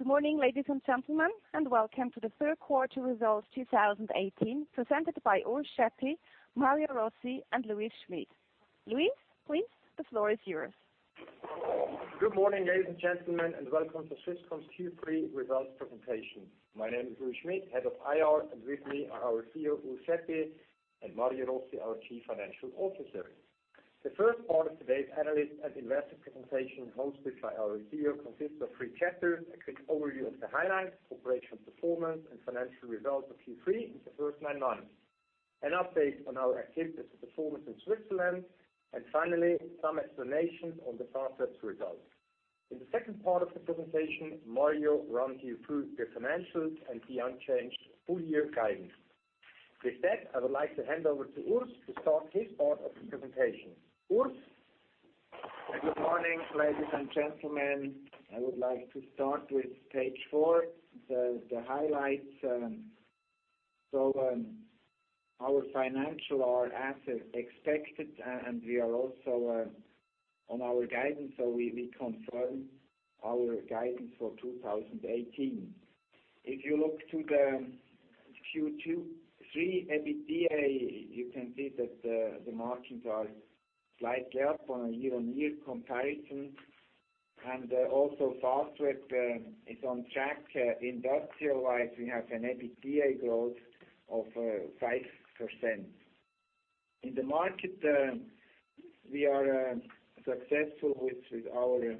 Good morning, ladies and gentlemen. Welcome to the third quarter results 2018 presented by Urs Schaeppi, Mario Rossi, and Louis Schmid. Louis, please, the floor is yours. Good morning, ladies and gentlemen. Welcome to Swisscom's Q3 results presentation. My name is Louis Schmid, Head of IR, and with me are our CEO, Urs Schaeppi, and Mario Rossi, our Chief Financial Officer. The first part of today's analyst and investor presentation, hosted by our CEO, consists of three chapters: a quick overview of the highlights, operational performance, and financial results of Q3 in the first nine months, an update on our activities and performance in Switzerland, and finally, some explanations on the Fastweb results. In the second part of the presentation, Mario will run you through the financials and the unchanged full-year guidance. With that, I would like to hand over to Urs to start his part of the presentation. Urs? Good morning, ladies and gentlemen. I would like to start with page four, the highlights. Our financials are as expected, and we are also on our guidance. We confirm our guidance for 2018. If you look to the Q3 EBITDA, you can see that the margins are slightly up on a year-on-year comparison. Fastweb is on track. Industrial-wise, we have an EBITDA growth of 5%. In the market, we are successful with our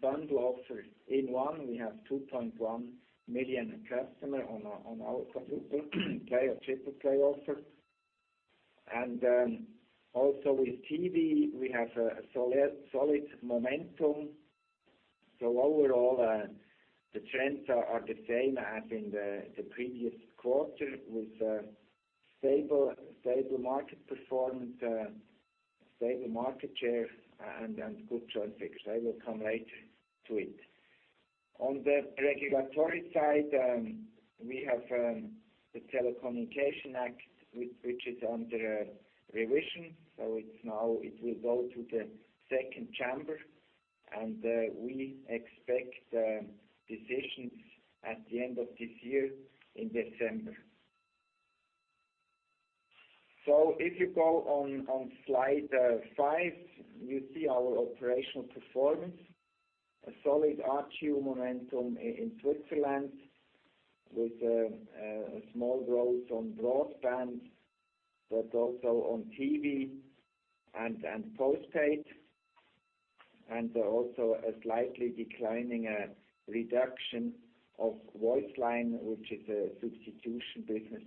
bundle offers. inOne, we have 2.1 million customers on our quadruple play offer. With TV, we have a solid momentum. Overall, the trends are the same as in the previous quarter with stable market performance, stable market share, and good joint figures. I will come later to it. On the regulatory side, we have the Telecommunications Act, which is under revision. Now it will go to the second chamber, and we expect decisions at the end of this year in December. If you go on slide five, you see our operational performance. A solid ARPU momentum in Switzerland with a small growth on broadband, but also on TV and postpaid. Also a slightly declining reduction of voice line, which is a substitution business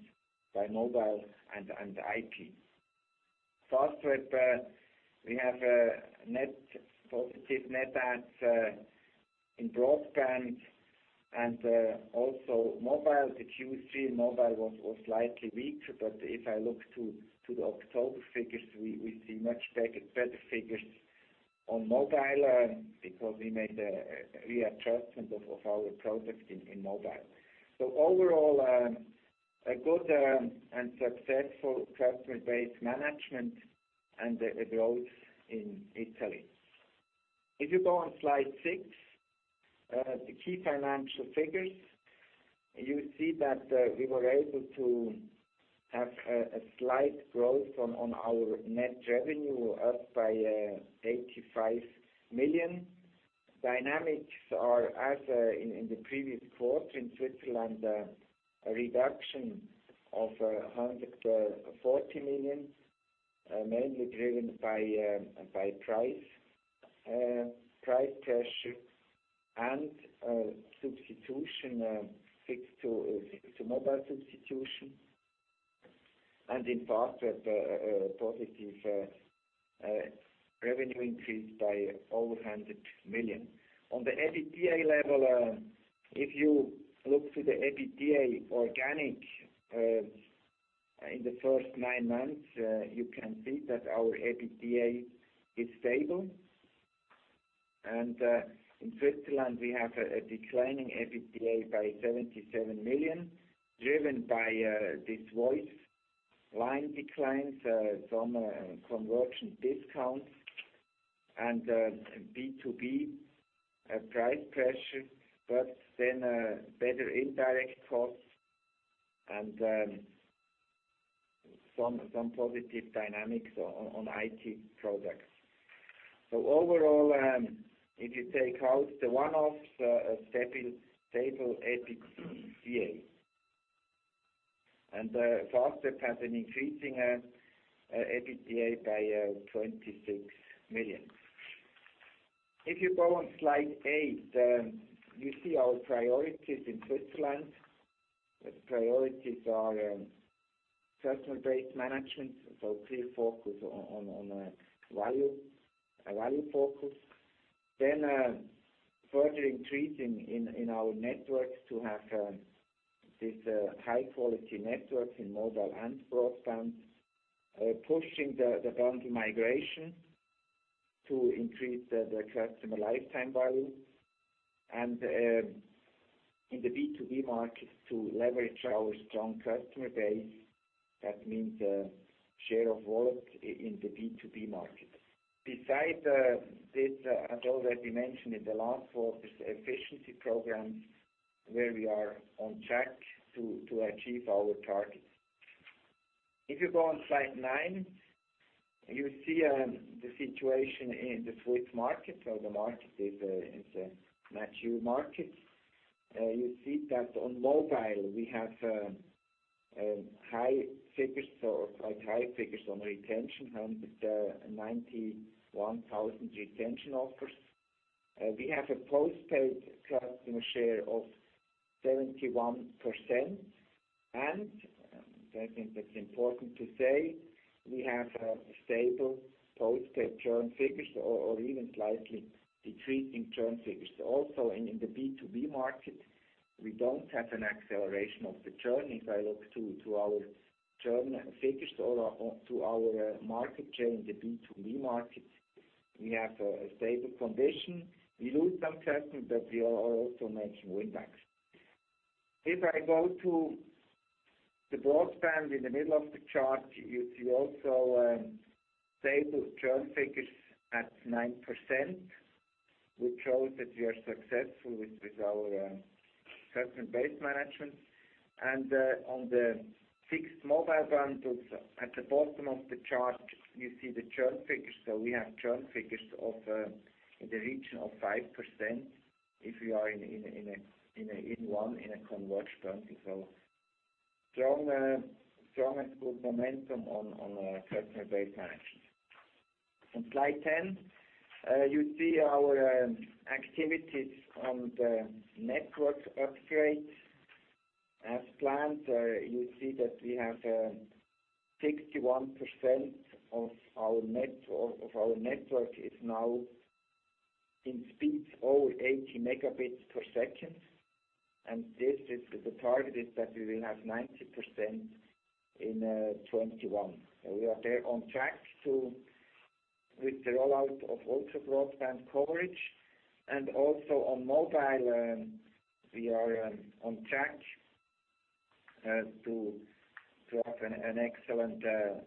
by mobile and IP. Fastweb, we have a net positive net add in broadband and also mobile. The Q3 mobile was slightly weak, but if I look to the October figures, we see much better figures on mobile because we made a readjustment of our product in mobile. Overall, a good and successful customer-based management and a growth in Italy. If you go on slide six, the key financial figures. You see that we were able to have a slight growth on our net revenue, up by 85 million. Dynamics are as in the previous quarter in Switzerland, a reduction of 140 million, mainly driven by price pressure and substitution fixed to mobile substitution. In Fastweb, a positive revenue increase by over 100 million. On the EBITDA level, if you look to the EBITDA organic in the first 9 months, you can see that our EBITDA is stable. In Switzerland, we have a declining EBITDA by 77 million, driven by these voice line declines, some conversion discounts, and B2B price pressure, better indirect costs and some positive dynamics on IT products. Overall, if you take out the one-offs, a stable EBITDA. Fastweb has an increasing EBITDA by 26 million. If you go on slide eight, you see our priorities in Switzerland. Priorities are customer-based management, clear focus on a value focus. Further increasing in our networks to have this high-quality network in mobile and broadband. Pushing the bundle migration to increase the customer lifetime value. In the B2B market to leverage our strong customer base. That means share of wallet in the B2B market. Besides this, as already mentioned in the last quarter, the efficiency program, where we are on track to achieve our targets. If you go on slide nine, you see the situation in the Swiss market. The market is a mature market. You see that on mobile, we have quite high figures on retention, 191,000 retention offers. We have a postpaid customer share of 71%. I think that's important to say, we have stable postpaid churn figures or even slightly decreasing churn figures. Also in the B2B market, we don't have an acceleration of the churn. If I look to our churn figures or to our market share in the B2B market, we have a stable condition. We lose some customers, we are also making win-backs. If I go to the broadband in the middle of the chart, you see also stable churn figures at 9%, which shows that we are successful with our customer base management. On the fixed-mobile bundles at the bottom of the chart, you see the churn figures. We have churn figures in the region of 5%, if we are in inOne, in a converged bundle. Strong and good momentum on our customer base management. On slide 10, you see our activities on the network upgrade. As planned, you see that we have 61% of our network is now in speeds over 80 megabits per second. The target is that we will have 90% in 2021. We are there on track with the rollout of ultra-broadband coverage and also on mobile we are on track to have an excellent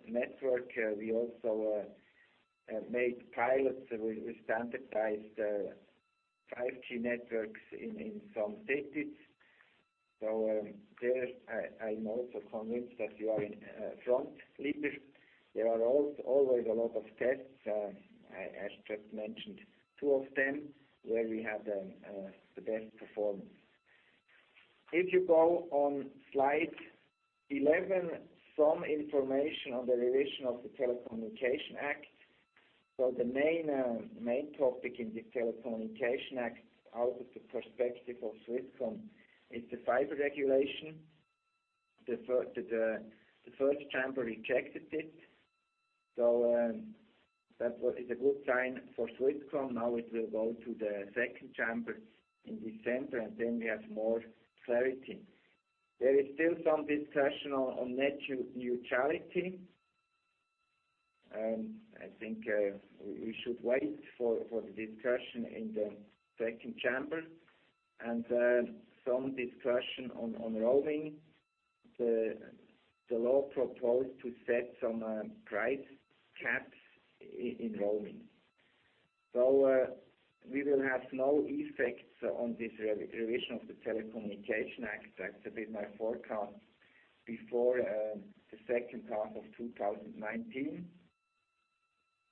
network. We also made pilots. We standardized 5G networks in some cities. There, I'm also convinced that we are in front, leader. There are always a lot of tests, as just mentioned, two of them where we have the best performance. If you go on slide 11, some information on the revision of the Telecommunications Act. The main topic in the Telecommunications Act out of the perspective of Swisscom is the fiber regulation. The first chamber rejected it. That is a good sign for Swisscom. It will go to the second chamber in December, we have more clarity. There is still some discussion on net neutrality. I think we should wait for the discussion in the second chamber. Some discussion on roaming. The law proposed to set some price caps in roaming. We will have no effects on this revision of the Telecommunications Act. That will be my forecast before the second half of 2019.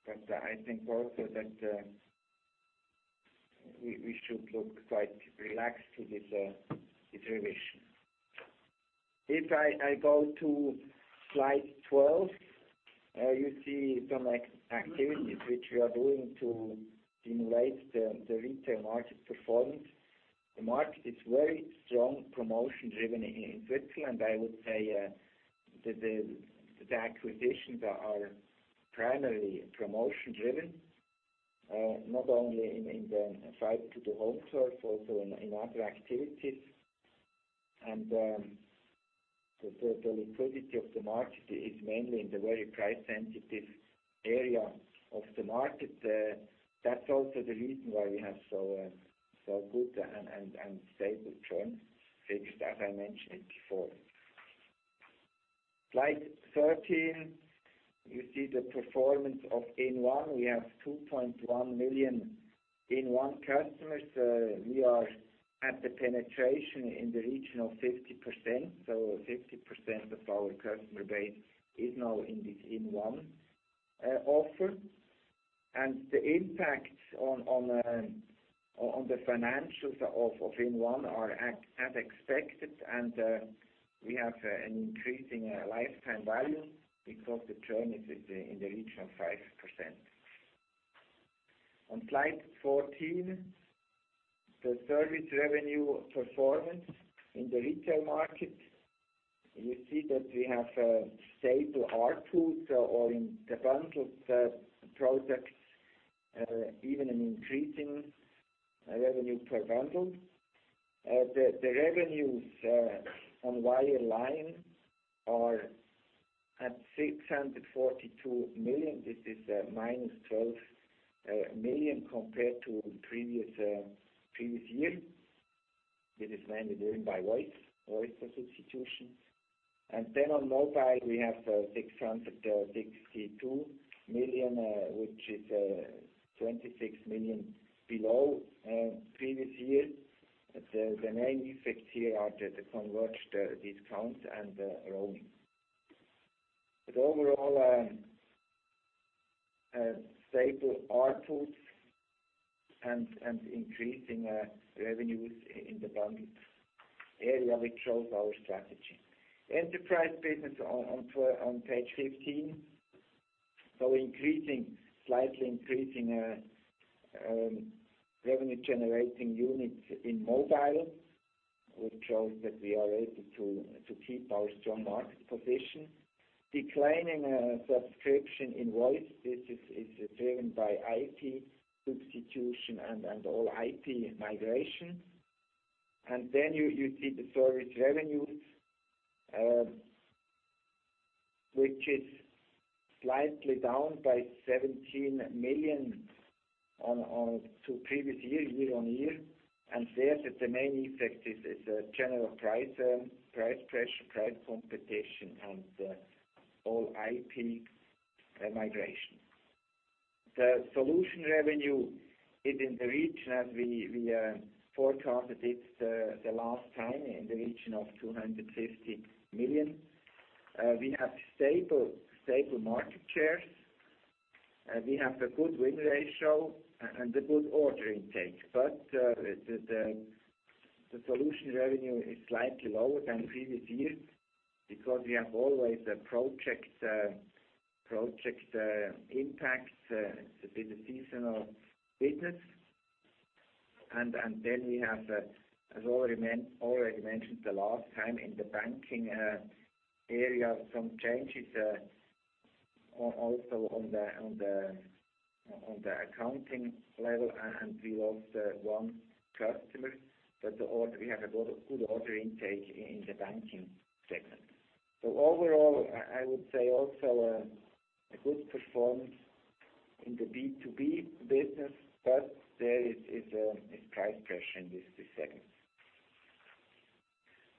I think also that we should look quite relaxed to this revision. If I go to slide 12, you see some activities which we are doing to stimulate the retail market performance. The market is very strong promotion-driven in Switzerland. I would say the acquisitions are primarily promotion-driven, not only in the fiber-to-the-home service, also in other activities. The liquidity of the market is mainly in the very price-sensitive area of the market. That's also the reason why we have so good and stable churn figures, as I mentioned before. Slide 13, you see the performance of inOne. We have 2.1 million inOne customers. We are at the penetration in the region of 50%. 50% of our customer base is now in this inOne offer. The impact on the financials of inOne are as expected, we have an increasing lifetime value because the churn is in the region of 5%. On slide 14, the service revenue performance in the retail market. You see that we have a stable ARPU, or in the bundled products even an increasing revenue per bundle. The revenues on wireline are at 642 million, this is minus 12 million compared to the previous year. This is mainly driven by voice substitution. On mobile, we have 662 million, which is 26 million below previous year. The main effects here are the converged discounts and the roaming. Overall, stable ARPU and increasing revenues in the bundled area, which shows our strategy. Enterprise business on page 15. Slightly increasing revenue-generating units in mobile, which shows that we are able to keep our strong market position. Declining subscription in voice. This is driven by IP substitution and All-IP migration. You see the service revenue, which is slightly down by 17 million on to previous year-on-year. There, the main effect is the general price pressure, price competition, and All-IP migration. The solution revenue is in the region as we forecasted it the last time, in the region of 250 million. We have stable market shares, we have a good win ratio and a good order intake. The solution revenue is slightly lower than previous years because we have always a project impact. It's a bit of seasonal business. We have, as already mentioned the last time, in the banking area, some changes also on the accounting level, we lost one customer. We have a good order intake in the banking segment. Overall, I would say also a good performance in the B2B business, but there is price pressure in this segment.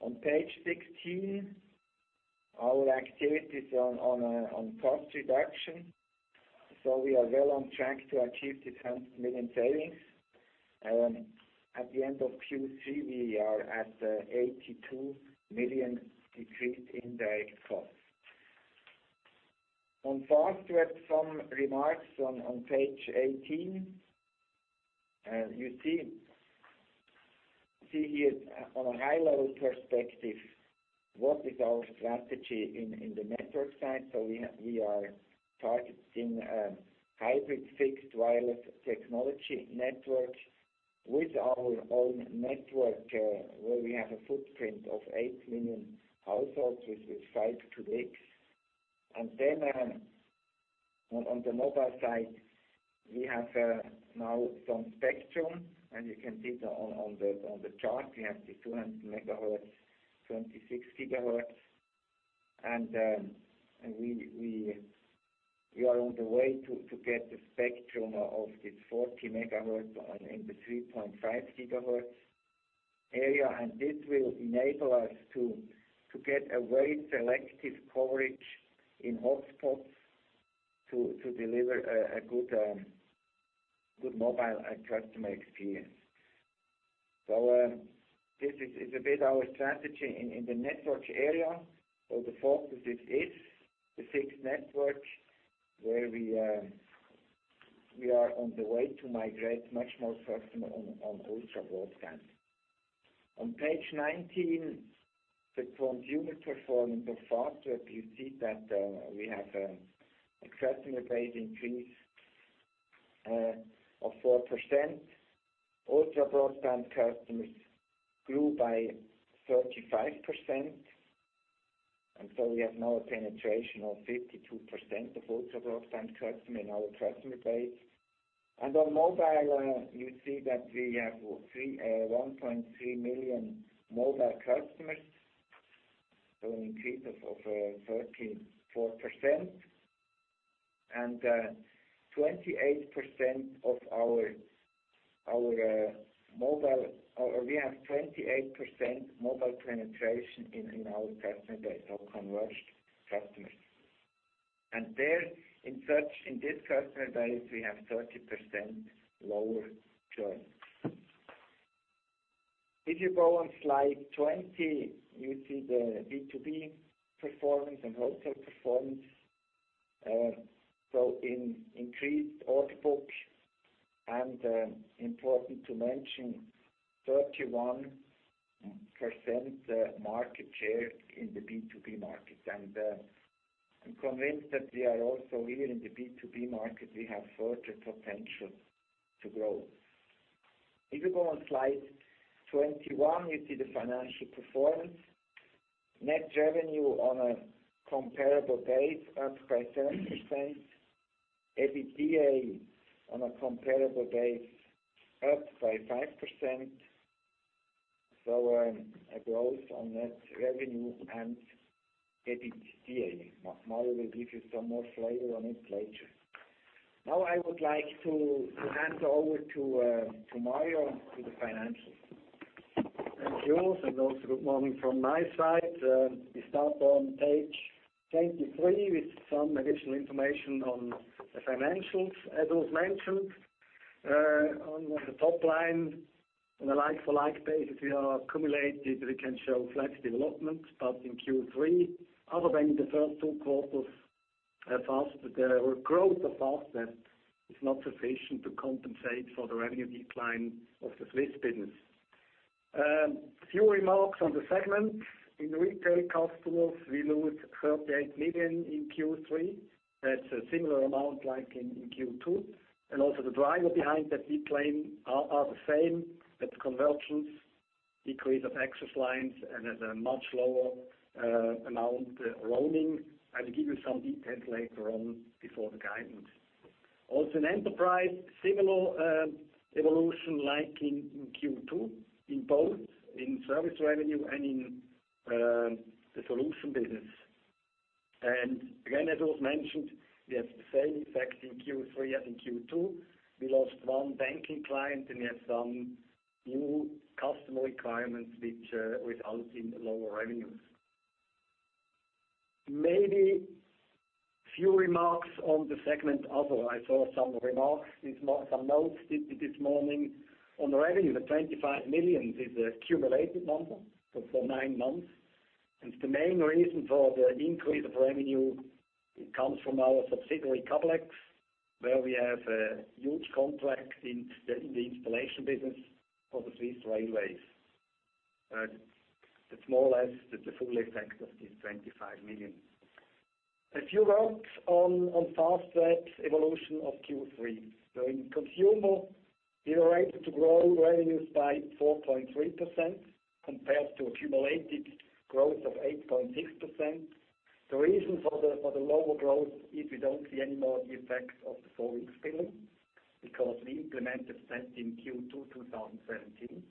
On page 16, our activities on cost reduction. We are well on track to achieve the 100 million savings. At the end of Q3, we are at 82 million decrease in direct costs. On Fastweb, some remarks on page 18. You see here on a high-level perspective, what is our strategy in the network side. We are targeting a hybrid fixed wireless technology network with our own network, where we have a footprint of 8 million households with five to six. On the mobile side, we have now some spectrum, and you can see on the chart, we have the 200 MHz, 26 GHz. We are on the way to get the spectrum of the 40 MHz in the 3.5 GHz area. This will enable us to get a very selective coverage in hotspots to deliver a good mobile and customer experience. This is a bit our strategy in the network area. The focus is the fixed network, where we are on the way to migrate much more customers on ultra broadband. On page 19, the consumer performance of Fastweb. You see that we have a customer base increase of 4%. Ultra broadband customers grew by 35%. We have now a penetration of 52% of ultra broadband customers in our customer base. On mobile, you see that we have 1.3 million mobile customers, an increase of 34%. We have 28% mobile penetration in our customer base of converged customers. There, in this customer base, we have 30% lower churn. If you go on slide 20, you see the B2B performance and wholesale performance. Increased order book, important to mention, 31% market share in the B2B market. I am convinced that we are also here in the B2B market, we have further potential to grow. If you go on slide 21, you see the financial performance. Net revenue on a comparable base up by 7%. EBITDA on a comparable base up by 5%. A growth on net revenue and EBITDA. Mario will give you some more flavor on it later. I would like to hand over to Mario to the financials. Thank you. Also good morning from my side. We start on page 23 with some additional information on the financials, as was mentioned. On the top line, on a like-for-like basis, we are accumulated, we can show flat development. In Q3, other than the first two quarters, our growth of Fastweb is not sufficient to compensate for the revenue decline of the Swiss business. A few remarks on the segment. In retail customers, we lose 38 million in Q3. That is a similar amount like in Q2. Also the driver behind that decline are the same. That is conversions, decrease of access lines, and there is a much lower amount roaming. I will give you some details later on before the guidance. Also in enterprise, similar evolution like in Q2 in both in service revenue and in the solution business. Again, as was mentioned, we have the same effect in Q3 as in Q2. We lost one banking client and we have some new customer requirements which result in lower revenues. Few remarks on the segment other. I saw some notes this morning. On revenue, the 25 million is a cumulative number for nine months. The main reason for the increase of revenue comes from our subsidiary, cablex, where we have a huge contract in the installation business for the Swiss railways. That's more or less the full effect of this 25 million. Few words on Fastweb's evolution of Q3. In consumer, we were able to grow revenues by 4.3%, compared to a cumulative growth of 8.6%. The reason for the lower growth is we don't see any more the effects of the four-week billing, because we implemented that in Q2 2017.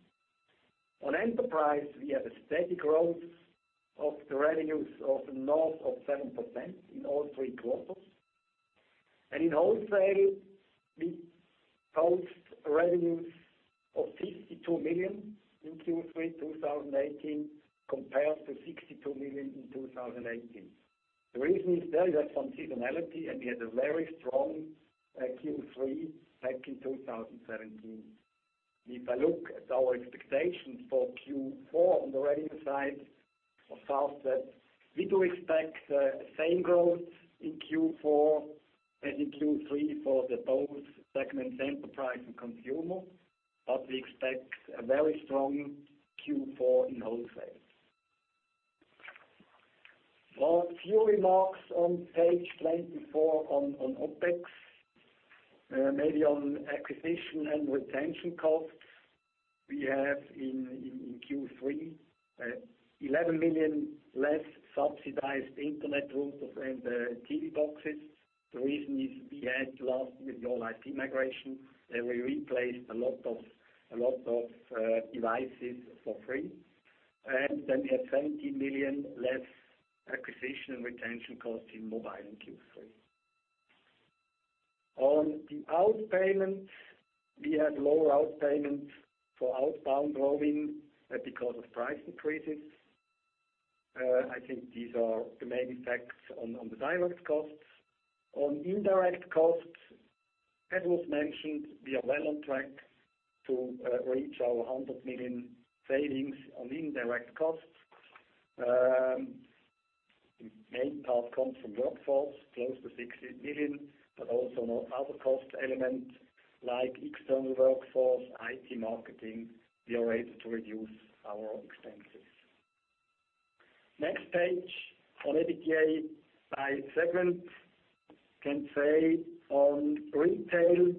On enterprise, we have a steady growth of the revenues of north of 7% in all three quarters. In wholesale, we post revenues of 52 million in Q3 2018 compared to 62 million in 2018. The reason is there you have some seasonality, and we had a very strong Q3 back in 2017. If I look at our expectations for Q4 on the revenue side of Fastweb, we do expect the same growth in Q4 as in Q3 for both segments, enterprise and consumer. We expect a very strong Q4 in wholesale. Few remarks on page 24 on OpEx. On acquisition and retention costs. We have in Q3, 11 million less subsidized internet routers and TV boxes. The reason is we had last with All-IP migration, and we replaced a lot of devices for free. Then we had 20 million less acquisition and retention cost in mobile in Q3. On the outpayments, we had lower outpayments for outbound roaming because of price increases. I think these are the main effects on the direct costs. On indirect costs, as was mentioned, we are well on track to reach our 100 million savings on indirect costs. The main part comes from workforce, close to 60 million, but also on other cost elements like external workforce, IT, marketing, we are able to reduce our expenses. Next page. On EBITDA by segment, can say on retail,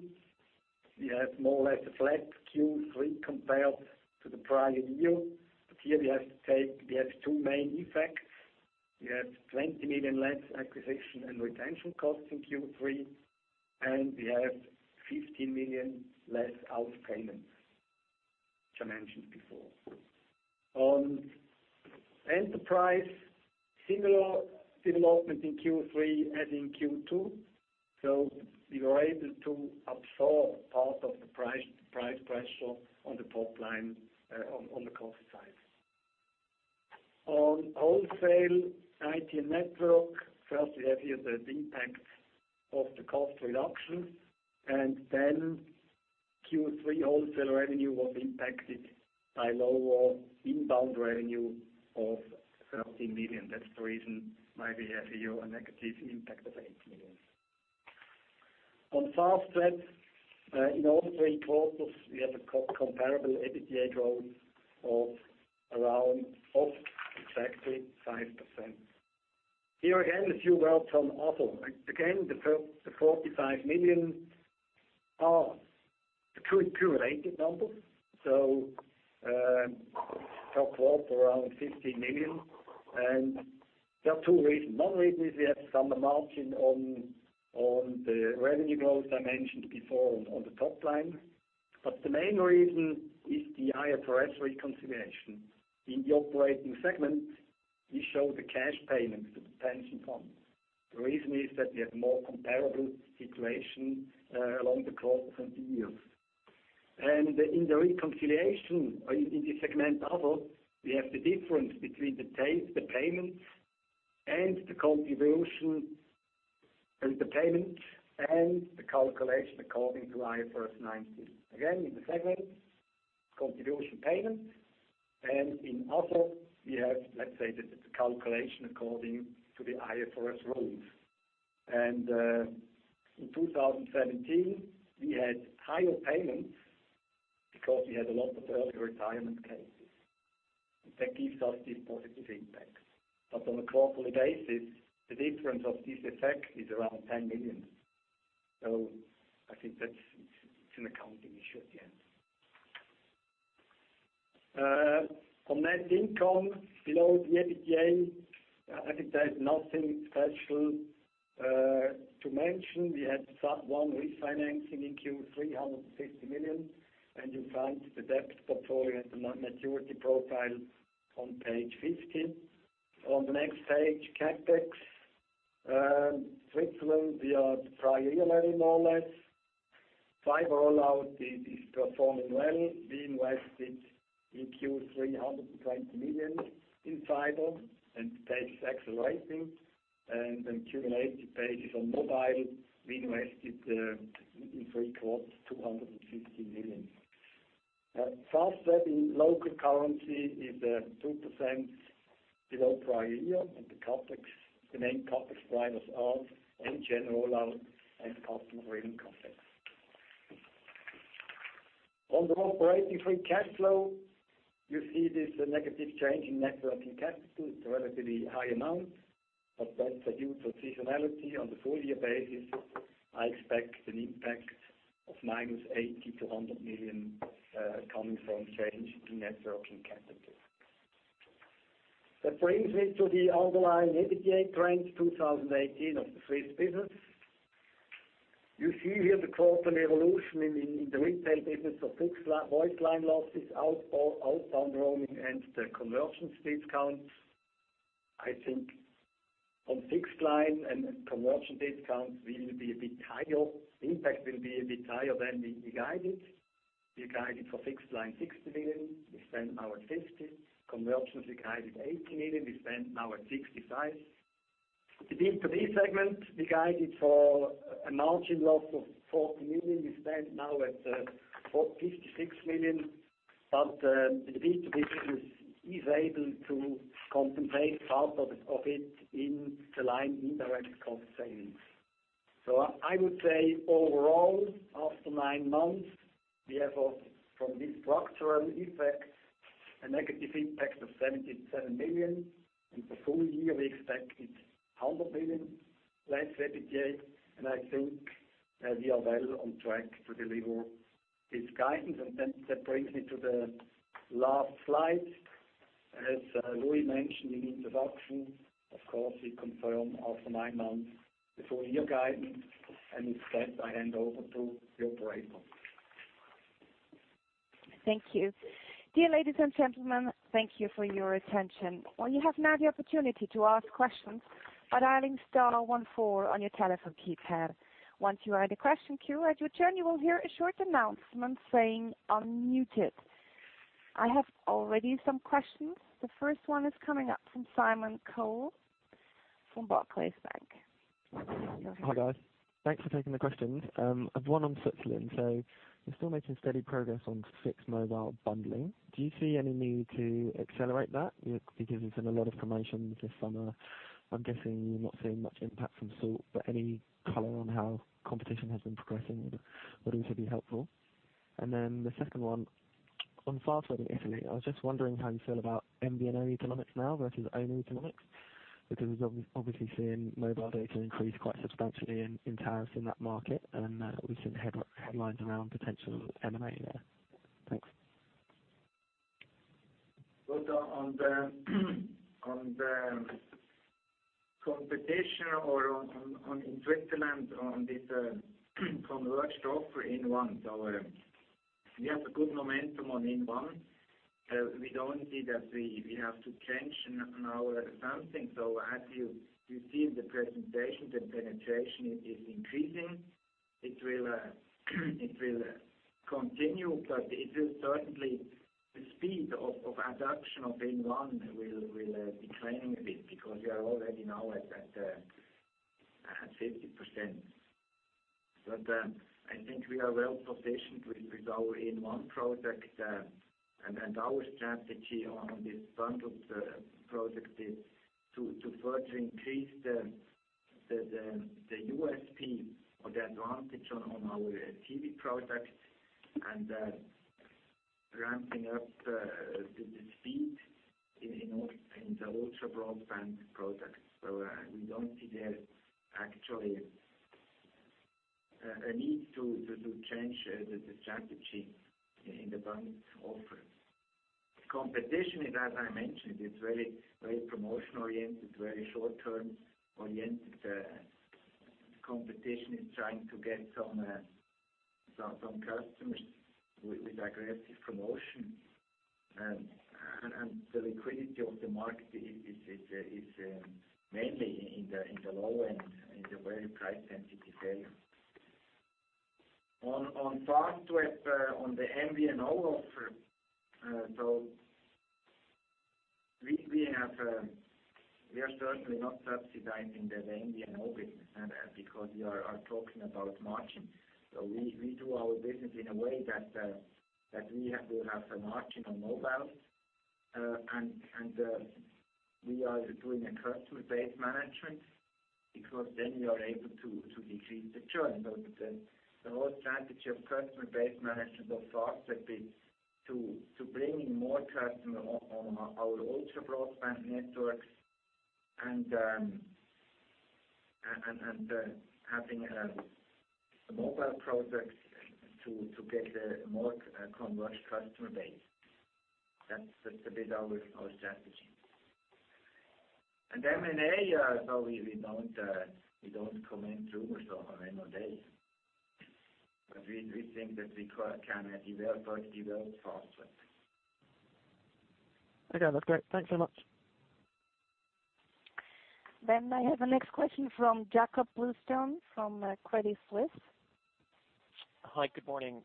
we have more or less a flat Q3 compared to the prior year. Here we have two main effects. We have 20 million less acquisition and retention costs in Q3, and we have 15 million less outpayments, which I mentioned before. On enterprise, similar development in Q3 as in Q2. We were able to absorb part of the price pressure on the top line, on the cost side. On wholesale IT and network, first we have here the impact of the cost reduction, Q3 wholesale revenue was impacted by lower inbound revenue of 13 million. That's the reason why we have here a negative impact of CHF 18 million. On Fastweb, in all three quarters, we have a comparable EBITDA growth of exactly 5%. Here again, few words from other. Again, the 45 million are the accumulated numbers. Each quarter around 15 million. There are two reasons. One reason is we have some margin on the revenue growth I mentioned before on the top line. The main reason is the IFRS reconciliation. In the operating segment, we show the cash payments to the pension fund. The reason is that we have more comparable situation along the course of the years. In the reconciliation, in the segment other, we have the difference between the payments and the calculation according to IAS 19. Again, in the segment, contribution payment, and in other, we have the calculation according to the IFRS rules. In 2017, we had higher payments because we had a lot of early retirement cases. That gives us this positive impact. On a quarterly basis, the difference of this effect is around 10 million. I think that it's an accounting issue at the end. On net income below the EBITDA, I think there is nothing special to mention. We had 1 refinancing in Q3, 150 million, and you find the debt portfolio and the maturity profile on page 15. On the next page, CapEx. Switzerland, we are prior year, more or less. Fiber rollout is performing well. We invested in Q3, 120 million in fiber, and the pace is accelerating. On a cumulative basis on mobile, we invested in 3 quarters, 250 million. Fastweb in local currency is 2% below prior year and the main CapEx drivers are: in general, are customer-related CapEx. On the operating free cash flow, you see this negative change in net working capital. It's a relatively high amount, but that's due to seasonality. On the full-year basis, I expect an impact of -80 million to 100 million coming from change in net working capital. That brings me to the underlying EBITDA trends 2018 of the Swiss business. You see here the quarter evolution in the retail business of fixed-line, voice line losses, outbound roaming, and the conversion discounts. I think on fixed line and conversion discounts, the impact will be a bit higher than we guided. We guided for fixed line, 60 million. We stand now at 50 million. Conversions, we guided 80 million. We stand now at 65 million. The B2B segment, we guided for a margin loss of 40 million. We stand now at 56 million. The B2B business is able to compensate part of it in the line indirect cost savings. I would say overall, after 9 months, we have from this structural effect, a negative impact of 77 million. In the full year, we expect it's 100 million less EBITDA, and I think we are well on track to deliver this guidance. That brings me to the last slide. As Louis mentioned in the introduction, of course, we confirm after 9 months the full-year guidance. With that, I hand over to the operator. Thank you. Dear ladies and gentlemen, thank you for your attention. You have now the opportunity to ask questions by dialing star 14 on your telephone keypad. Once you are in the question queue, as you join, you will hear a short announcement saying unmuted. I have already some questions. The first one is coming up from Simon Cole from Barclays Bank. Go ahead. Hi, guys. Thanks for taking the questions. I have one on Switzerland. You're still making steady progress on fixed-mobile bundling. Do you see any need to accelerate that? Because it's in a lot of promotions this summer. I'm guessing you're not seeing much impact from sort, but any color on how competition has been progressing would also be helpful. The second one. On Fastweb in Italy, I was just wondering how you feel about MVNO economics now versus owner economics, because we're obviously seeing mobile data increase quite substantially in tariffs in that market, and we've seen headlines around potential M&A there. Thanks. On the competition or in Switzerland on this converged offer inOne. We have a good momentum on inOne. We don't see that we have to change now something. As you see in the presentation, the penetration is increasing. It will continue, but certainly, the speed of adoption of inOne will be declining a bit because we are already now at 50%. I think we are well-positioned with our inOne project. Our strategy on this bundled project is to further increase the USP or the advantage on our TV product and ramping up the speed in the ultra-broadband product. We don't see there actually. A need to change the strategy in the bundled offer. Competition is, as I mentioned, very promotion-oriented, very short-term oriented. The competition is trying to get some customers with aggressive promotion. The liquidity of the market is mainly in the low end, in the very price-sensitive segment. On Fastweb, on the MVNO offer, we are certainly not subsidizing the MVNO business because we are talking about margin. We do our business in a way that we have a margin on mobile. We are doing a customer base management because then we are able to decrease the churn. The whole strategy of customer base management of Fastweb is to bring in more customer on our ultra broadband networks and having a mobile product to get a more converged customer base. That's a bit our strategy. M&A, we don't comment rumors on M&A. We think that we can develop Fastweb. Okay. That's great. Thanks so much. I have the next question from Jakob Bluestone from Credit Suisse. Hi. Good morning.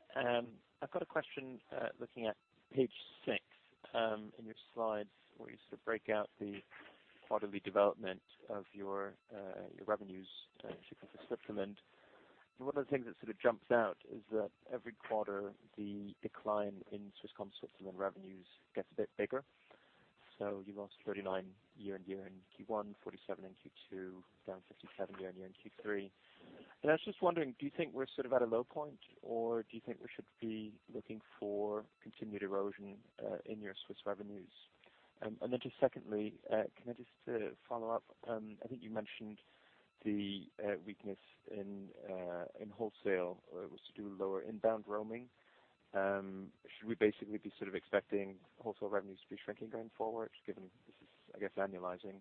I've got a question looking at page six in your slides where you sort of break out the quarterly development of your revenues, particularly for Switzerland. One of the things that sort of jumps out is that every quarter the decline in Swisscom Switzerland revenues gets a bit bigger. You lost 39 year-on-year in Q1, 47 in Q2, down 57 year-on-year in Q3. I was just wondering, do you think we're sort of at a low point, or do you think we should be looking for continued erosion in your Swiss revenues? Just secondly, can I just follow up? I think you mentioned the weakness in wholesale was to do with lower inbound roaming. Should we basically be sort of expecting wholesale revenues to be shrinking going forward, given this is, I guess, annualizing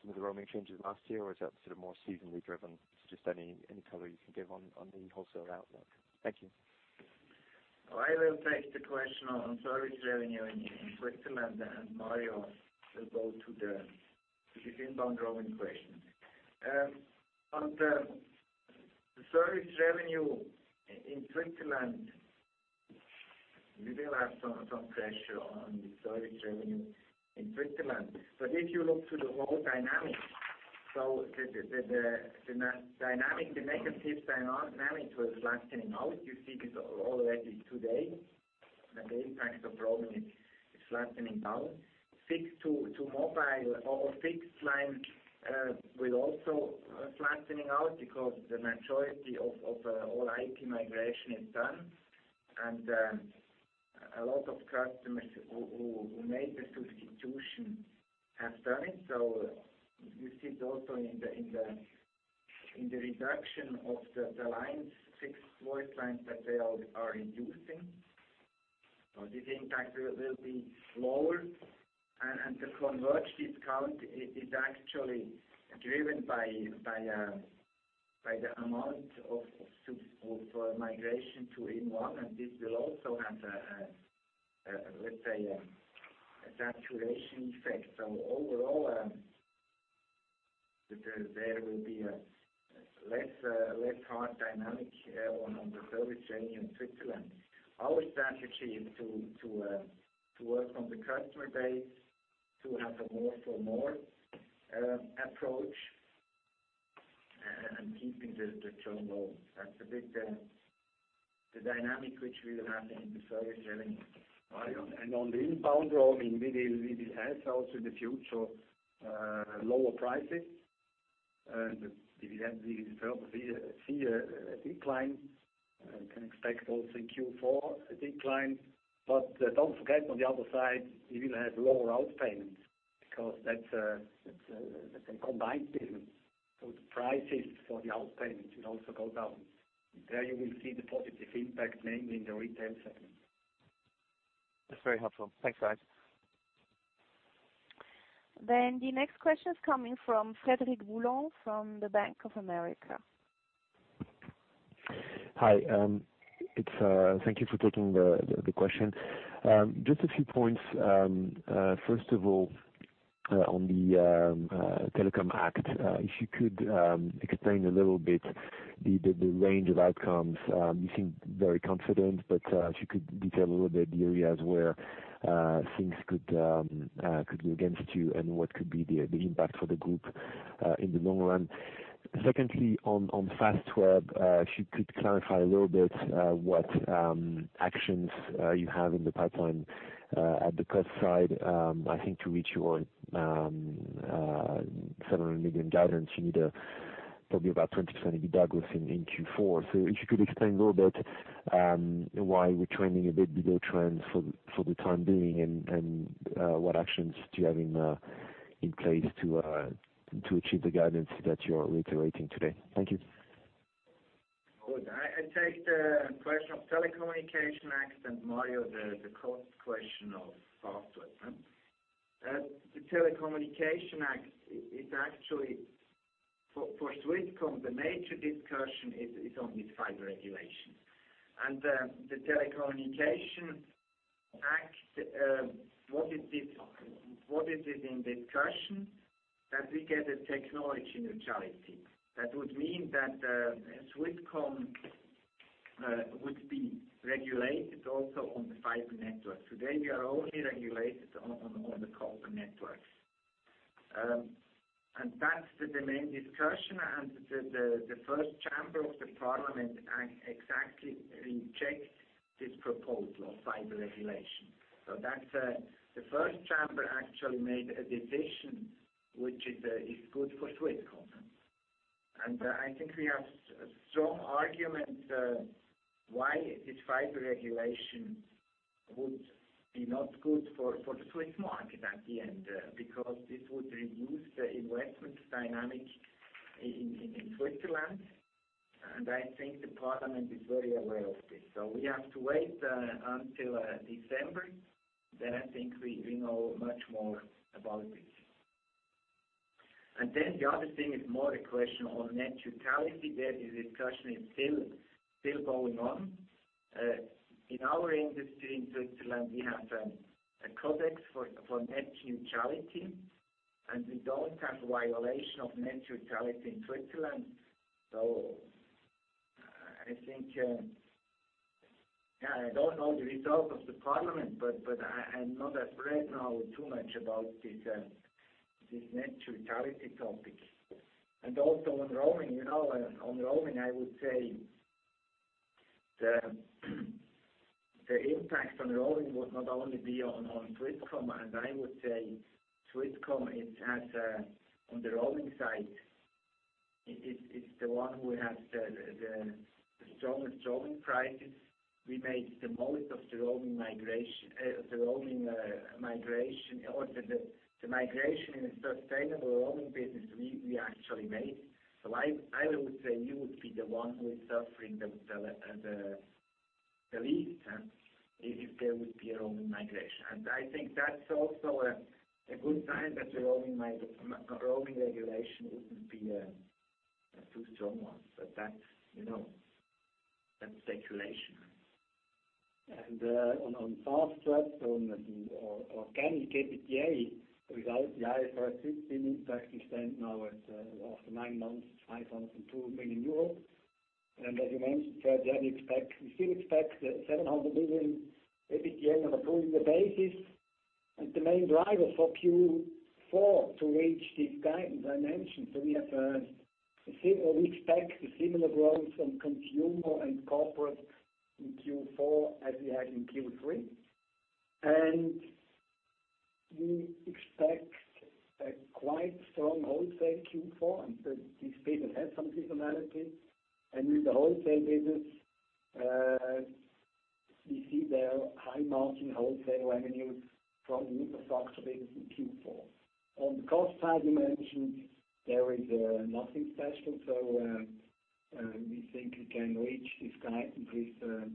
some of the roaming changes last year? Is that sort of more seasonally driven? Just any color you can give on the wholesale outlook. Thank you. I will take the question on service revenue in Switzerland. Mario will go to the inbound roaming question. On the service revenue in Switzerland, we will have some pressure on the service revenue in Switzerland. If you look to the whole dynamic, the negative dynamic was flattening out. You see this already today. The impact of roaming is flattening down. Fixed to mobile or fixed line will also flattening out because the majority of All-IP migration is done. A lot of customers who made the substitution have done it. You see it also in the reduction of the lines, fixed voice lines that they are reducing. This impact will be lower. The converged discount is actually driven by the amount of migration to inOne, and this will also have, let's say, a saturation effect. Overall, there will be a less hard dynamic on the service revenue in Switzerland. Our strategy is to work on the customer base, to have a more for more approach and keeping the churn low. That's the big dynamic which we will have in the service revenue. Mario? On the inbound roaming, we will have also in the future lower prices. We see a decline. We can expect also in Q4 a decline. Don't forget on the other side, we will have lower outpayments because that's a combined business. The prices for the outpayments will also go down. There you will see the positive impact, mainly in the retail segment. That's very helpful. Thanks guys. The next question is coming from Frederic Boulan from the Bank of America. Hi. Thank you for taking the question. Just a few points. First of all, on the Telecommunications Act if you could explain a little bit the range of outcomes. You seem very confident, but if you could detail a little bit the areas where things could be against you and what could be the impact for the group in the long run. Secondly, on Fastweb, if you could clarify a little bit what actions you have in the pipeline at the cost side. I think to reach your 700 million guidance, you need probably about 20% EBITDA growth in Q4. If you could explain a little bit why we're trending a bit below trend for the time being and what actions do you have in place to achieve the guidance that you are reiterating today. Thank you. Good. I take the question of Telecommunications Act and Mario, the cost question of Fastweb. The Telecommunications Act is actually, for Swisscom, the major discussion is on this fiber regulation. The Telecommunications Act, what is in discussion, that we get a technology neutrality. That would mean that Swisscom would be regulated also on the fiber network. Today, we are only regulated on the copper networks. That's the main discussion. The first chamber of the parliament exactly rejects this proposal of fiber regulation. The first chamber actually made a decision which is good for Swisscom. I think we have strong argument why this fiber regulation would be not good for the Swiss market at the end, because this would reduce the investment dynamic in Switzerland. I think the parliament is very aware of this. We have to wait until December, I think we know much more about it. The other thing is more a question on net neutrality. There the discussion is still going on. In our industry in Switzerland, we have a codex for net neutrality, and we don't have violation of net neutrality in Switzerland. I think, I don't know the result of the parliament, but I'm not afraid now too much about this net neutrality topic. Also on roaming. On roaming, I would say the impact on roaming would not only be on Swisscom. I would say Swisscom, on the roaming side, it's the one who has the strongest roaming prices. We made the most of the roaming migration. The migration in a sustainable roaming business, we actually made. I would say we would be the one who is suffering the least if there would be a roaming migration. I think that's also a good sign that the roaming regulation wouldn't be a too strong one. That's speculation. On Fastweb, on organic EBITDA result, the IFRS 16 actually stand now after nine months, 502 million euros. As you mentioned, we still expect the 700 million EBITDA on a pro-forma basis. The main driver for Q4 to reach this guidance I mentioned. We expect a similar growth from consumer and corporate in Q4 as we had in Q3. We expect a quite strong wholesale Q4. This business has some seasonality. With the wholesale business, we see there high-margin wholesale revenues from the infrastructure business in Q4. On the cost side, you mentioned there is nothing special. We think we can reach this guidance with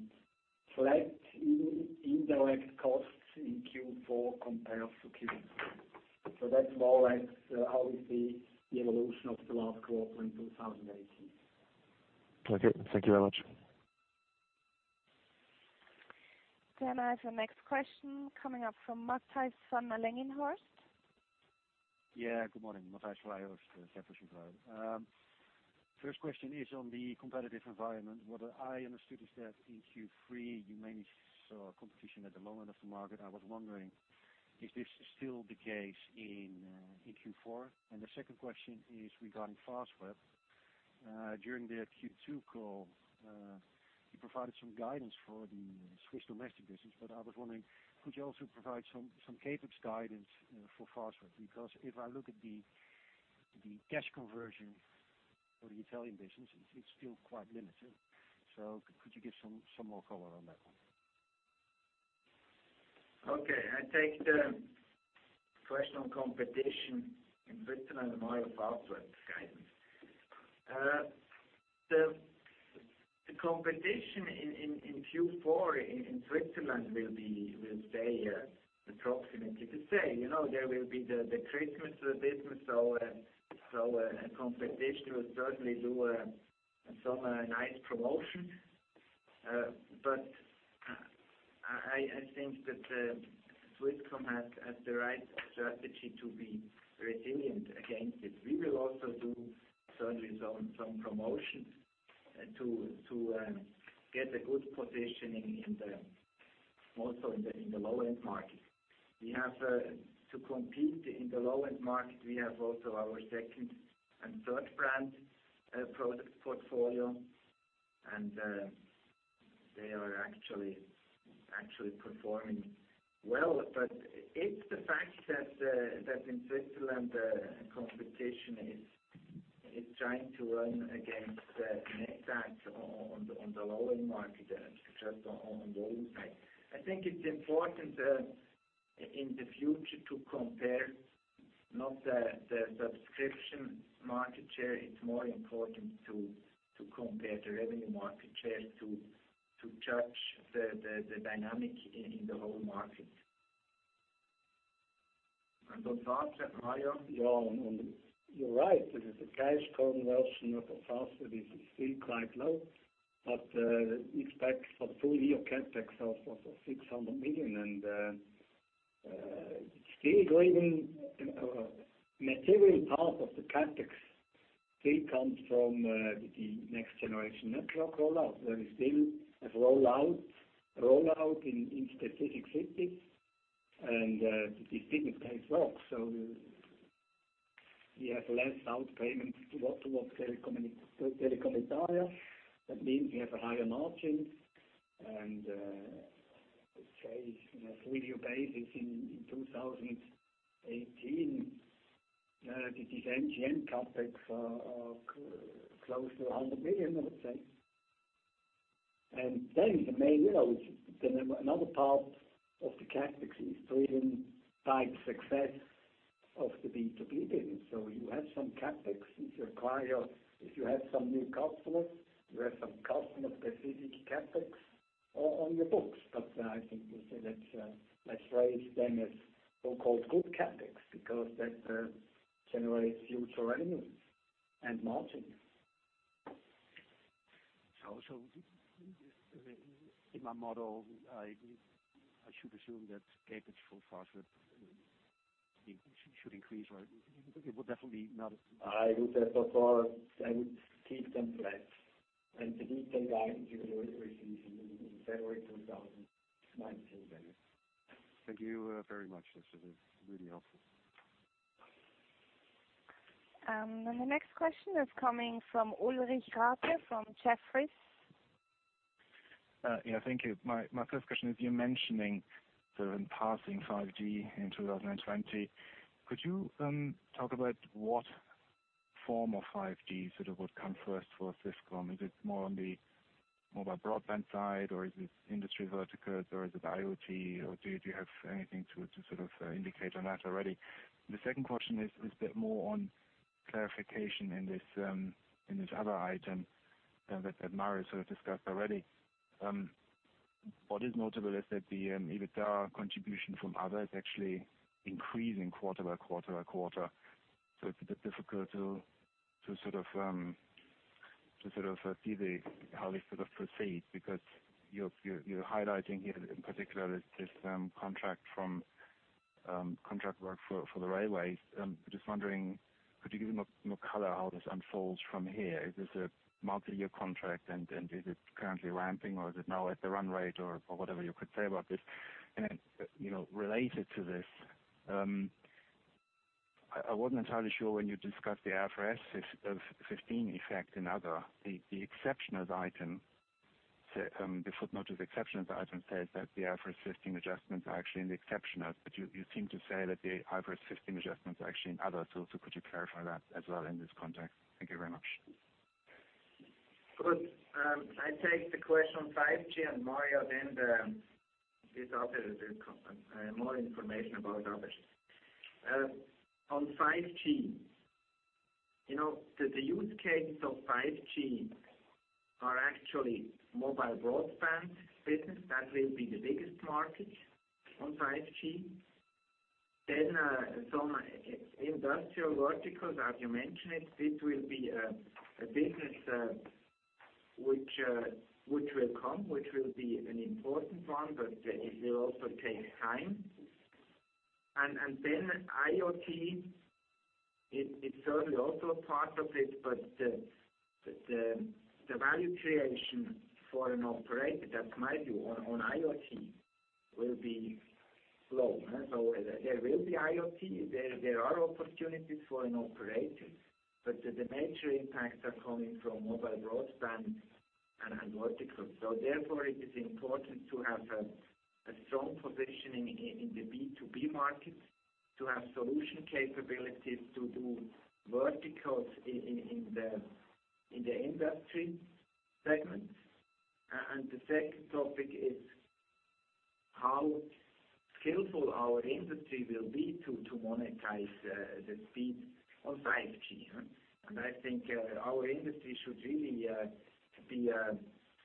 flat indirect costs in Q4 compared to Q3. That's more like how we see the evolution of the group operating 2018. Okay. Thank you very much. I have the next question coming up from Matthijs van Langenhorst. Yeah. Good morning, Matthijs van Langenhorst, Jefferies. First question is on the competitive environment. What I understood is that in Q3, you mainly saw competition at the low end of the market. I was wondering, is this still the case in Q4? The second question is regarding Fastweb. During the Q2 call, you provided some guidance for the Swiss domestic business. I was wondering, could you also provide some CapEx guidance for Fastweb? Because if I look at the cash conversion for the Italian business, it is still quite limited. Could you give some more color on that one? Okay. I take the question on competition in Switzerland and more of Fastweb guidance. The competition in Q4 in Switzerland will stay approximately the same. There will be the Christmas business. Competition will certainly do some nice promotion. I think that Swisscom has the right strategy to be resilient against it. We will also do certainly some promotion to get a good position also in the low-end market. To compete in the low-end market, we have also our second and third-brand product portfolio. They are actually performing well. It is the fact that in Switzerland, competition is trying to run against net adds on the lowering market share on the overall side. I think it is important in the future to compare not the subscription market share. It is more important to compare the revenue market share to judge the dynamic in the whole market. On that, Mario? You are right. The cash conversion of Fastweb is still quite low, we expect for the full-year CapEx of CHF 600 million. Still grading material part of the CapEx still comes from the next generation network rollout, where we still have rollout in specific cities. These did not take off, so we have less outpayments to Telecom Italia. That means we have a higher margin and, let us say, on a full-year basis in 2018, it is NGN CapEx of close to 100 million, I would say. Another part of the CapEx is driven by success of the B2B business. You have some CapEx if you have some new customers, you have some customer-specific CapEx on your books. I think we say let us raise them as so-called good CapEx because that generates future revenues and margin. In my model, I should assume that CapEx for Fastweb should increase, right? I would say for now, I would keep them flat and the detail you will receive in February 2019 then. Thank you very much. This is really helpful. The next question is coming from Ulrich Rathe from Jefferies. Thank you. My first question is, you're mentioning passing 5G in 2020. Could you talk about what form of 5G would come first for Swisscom? Is it more on the mobile broadband side, or is it industry verticals, or is it IoT, or do you have anything to indicate on that already? The second question is a bit more on clarification in this other item that Mario sort of discussed already. What is notable is that the EBITDA contribution from other is actually increasing quarter by quarter. It's a bit difficult to see how they proceed because you're highlighting here in particular this contract work for the railways. I'm just wondering, could you give more color how this unfolds from here? Is this a multi-year contract, and is it currently ramping, or is it now at the run rate, or whatever you could say about this? I wasn't entirely sure when you discussed the IFRS 15 effect in other, the footnotes of exceptionals says that the IFRS 15 adjustments are actually in the exceptional. You seem to say that the IFRS 15 adjustments are actually in other. Could you clarify that as well in this context? Thank you very much. Good. I take the question on 5G and Mario, then this other, more information about others. The use cases of 5G are actually mobile broadband business. That will be the biggest market on 5G. Some industrial verticals, as you mentioned, this will be a business which will come, which will be an important one, but it will also take time. IoT, it's certainly also a part of it, but the value creation for an operator, that's my view on IoT will be slow. There will be IoT. There are opportunities for an operator. The major impacts are coming from mobile broadband and verticals. Therefore, it is important to have a strong position in the B2B market to have solution capabilities to do verticals in the industry segments. The second topic is how skillful our industry will be to monetize the speed on 5G. I think our industry should really be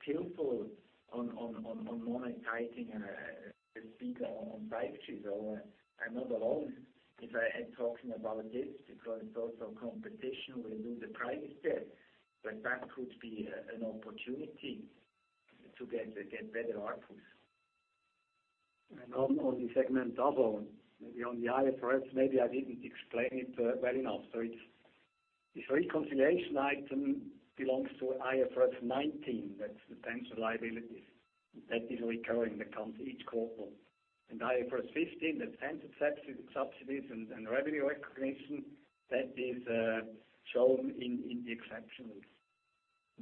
skillful on monetizing the speed on 5G. I'm not alone if I am talking about this because also competition will do the price step, but that could be an opportunity to get better outputs. On the segment other, maybe on the IFRS, maybe I didn't explain it well enough. This reconciliation item belongs to IAS 19. That's the pension liabilities that is recurring, that comes each quarter. IFRS 15, that's pension subsidies and revenue recognition, that is shown in the exceptionals.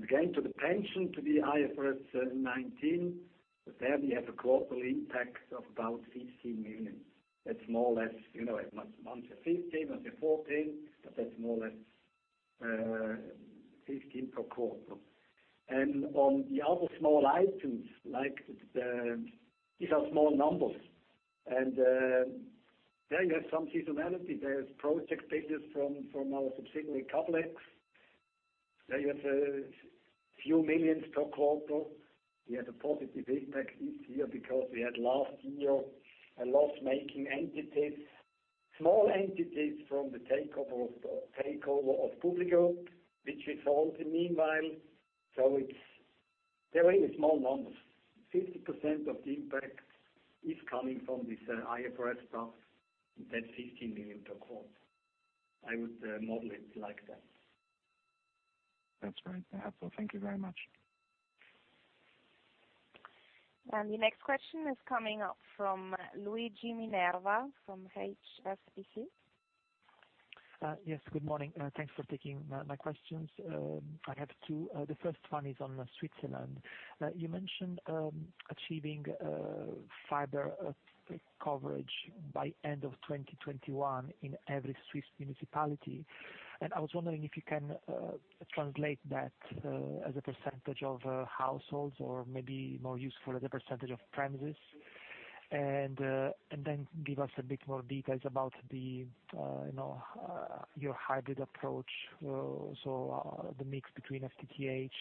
Again, to the pension, to the IAS 19, there we have a quarterly impact of about 15 million. That's more or less, once a 15, once a 14, but that's more or less 15 per quarter. On the other small items, these are small numbers. There you have some seasonality. There's project business from our subsidiary, cablex. There you have a few millions per quarter. We had a positive impact this year because we had last year a loss-making entities, small entities from the takeover of PubliGroupe, which we sold in the meanwhile. They're really small numbers. 50% of the impact is coming from this IFRS stuff. That 15 million per quarter. I would model it like that. That's great. Wonderful. Thank you very much. The next question is coming up from Luigi Minerva from HSBC. Yes, good morning. Thanks for taking my questions. I have two. The first one is on Switzerland. You mentioned achieving fiber coverage by end of 2021 in every Swiss municipality. I was wondering if you can translate that as a % of households or maybe more useful as a % of premises. Then give us a bit more details about your hybrid approach. So the mix between FTTH,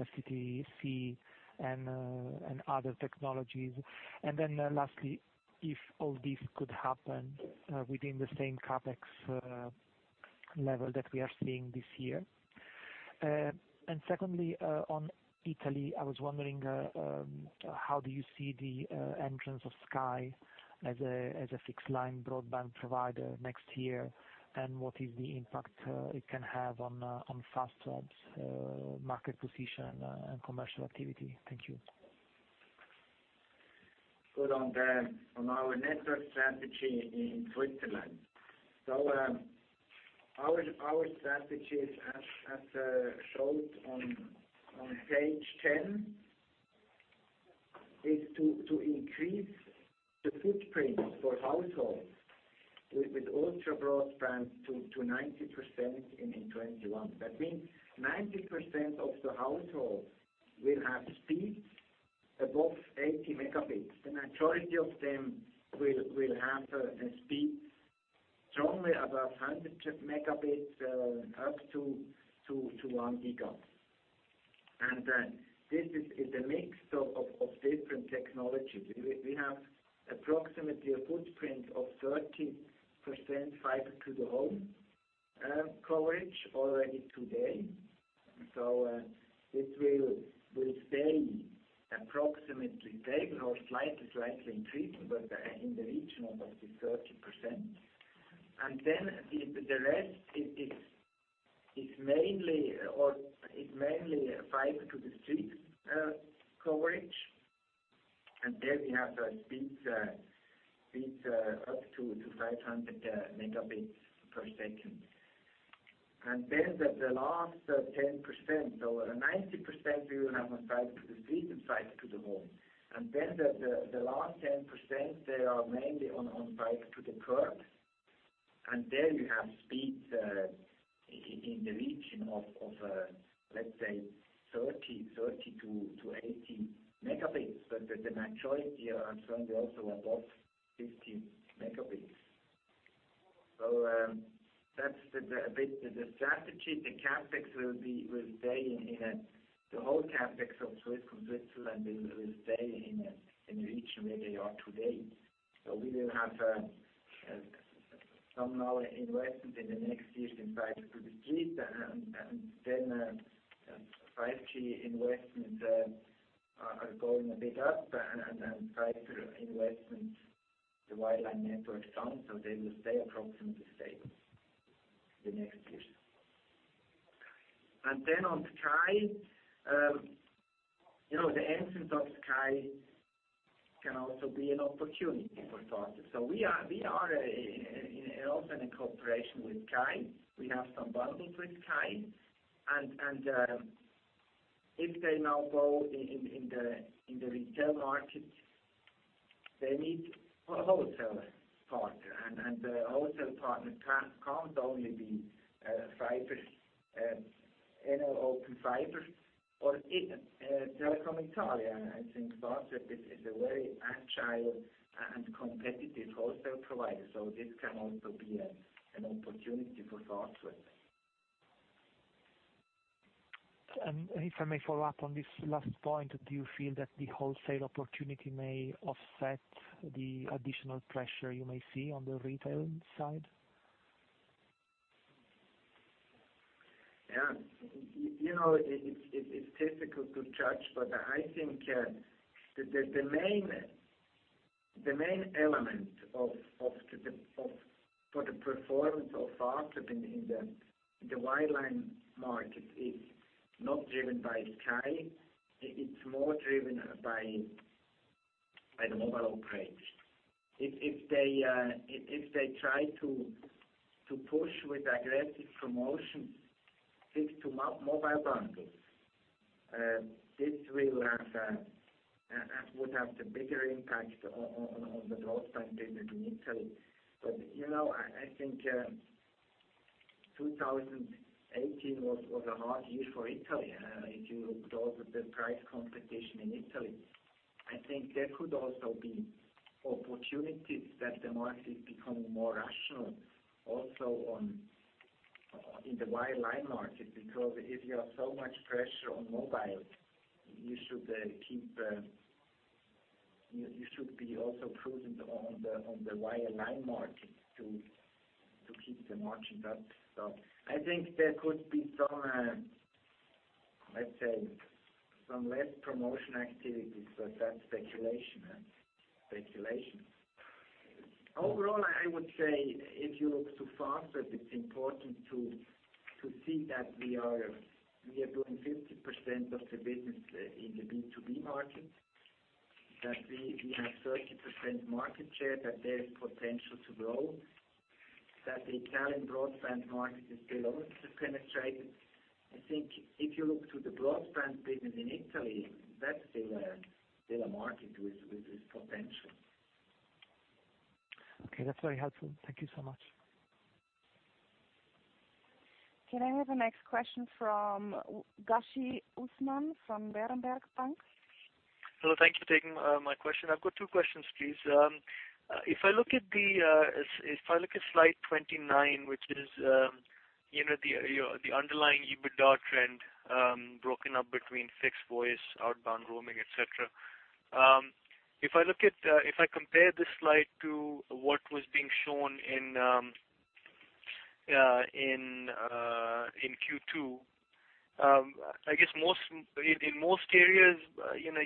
FTTC, and other technologies. Then lastly, if all this could happen within the same CapEx level that we are seeing this year. Secondly, on Italy, I was wondering how do you see the entrance of Sky as a fixed-line broadband provider next year, and what is the impact it can have on Fastweb's market position and commercial activity? Thank you. Good. On our network strategy in Switzerland. Our strategy, as shown on page 10, is to increase the footprint for households with ultra broadband to 90% in 2021. That means 90% of the households will have speeds above 80 megabits. The majority of them will have a speed strongly above 100 megabits up to 1 gigabyte. This is a mix of different technologies. We have approximately a footprint of 30% fiber to the home coverage already today. This will stay approximately stable or slightly increase, but in the region of up to 30%. The rest is mainly fiber to the street coverage. There we have speeds up to 500 megabits per second. The last 10%. 90% we will have on fiber to the street and fiber to the home. The last 10%, they are mainly on fiber to the curb, and there you have speeds in the region of, let's say, 30-80 megabits. The majority are strongly also above 50 megabits. That's a bit the strategy. The whole CapEx of Swisscom Switzerland will stay in the region where they are today. We will have some now investment in the next years in fiber to the street, 5G investments are going a bit up, and fiber investments, the wide line network. They will stay approximately the same the next years. On Sky. The entrance of Sky can also be an opportunity for Fastweb. We are also in a cooperation with Sky. We have some bundles with Sky, and if they now go in the retail market, they need a wholesale partner. The wholesale partner can't only be Open Fiber or even Telecom Italia. I think Fastweb is a very agile and competitive wholesale provider. This can also be an opportunity for Fastweb. If I may follow up on this last point, do you feel that the wholesale opportunity may offset the additional pressure you may see on the retail side? Yeah. It's difficult to judge, but I think the main element for the performance of Fastweb in the wireline market is not driven by Sky. It's more driven by- By the mobile operators. If they try to push with aggressive promotions, fixed to mobile bundles, this would have the bigger impact on the broadband business in Italy. I think 2018 was a hard year for Italy. If you looked also at the price competition in Italy, I think there could also be opportunities that the market is becoming more rational also in the wireline market, because if you have so much pressure on mobile, you should be also prudent on the wireline market to keep the margin up. I think there could be, let's say, some less promotion activities, but that's speculation. Overall, I would say if you look to Fastweb, it's important to see that we are doing 50% of the business in the B2B market, that we have 30% market share, that there is potential to grow, that the Italian broadband market is still under-penetrated. I think if you look to the broadband business in Italy, that's still a market with potential. Okay, that's very helpful. Thank you so much. Can I have the next question from Usman Ghazi from Berenberg Bank? Hello. Thank you for taking my question. I've got two questions, please. If I look at slide 29, which is the underlying EBITDA trend broken up between fixed voice, outbound roaming, et cetera. If I compare this slide to what was being shown in Q2, I guess in most areas,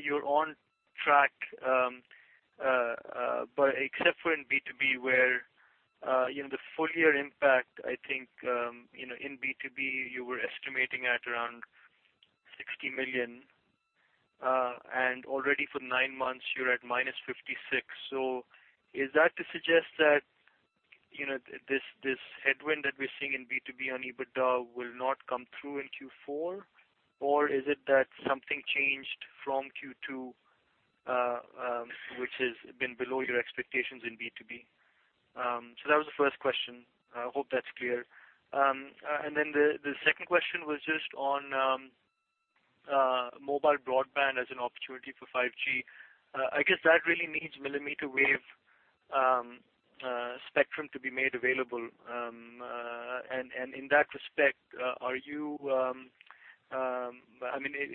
you're on track, but except for in B2B where the full-year impact, I think, in B2B, you were estimating at around 60 million. Already for nine months, you're at -56. Is that to suggest that this headwind that we're seeing in B2B on EBITDA will not come through in Q4? Is it that something changed from Q2 which has been below your expectations in B2B? That was the first question. I hope that's clear. The second question was just on mobile broadband as an opportunity for 5G. I guess that really needs millimeter-wave spectrum to be made available. In that respect,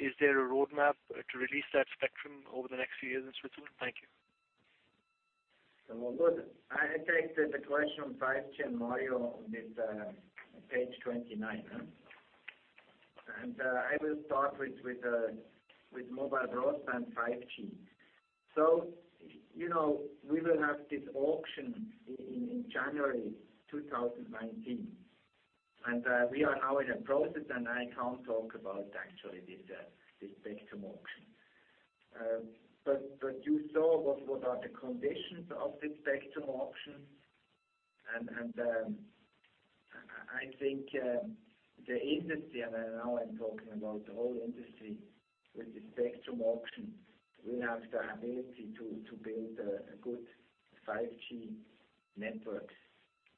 is there a roadmap to release that spectrum over the next few years in Switzerland? Thank you. Good. I take the question on 5G and Mario with page 29. I will start with mobile broadband 5G. We will have this auction in January 2019. We are now in a process, I can't talk about actually this spectrum auction. You saw what are the conditions of this spectrum auction. I think the industry, and now I'm talking about the whole industry with this spectrum auction, will have the ability to build a good 5G network.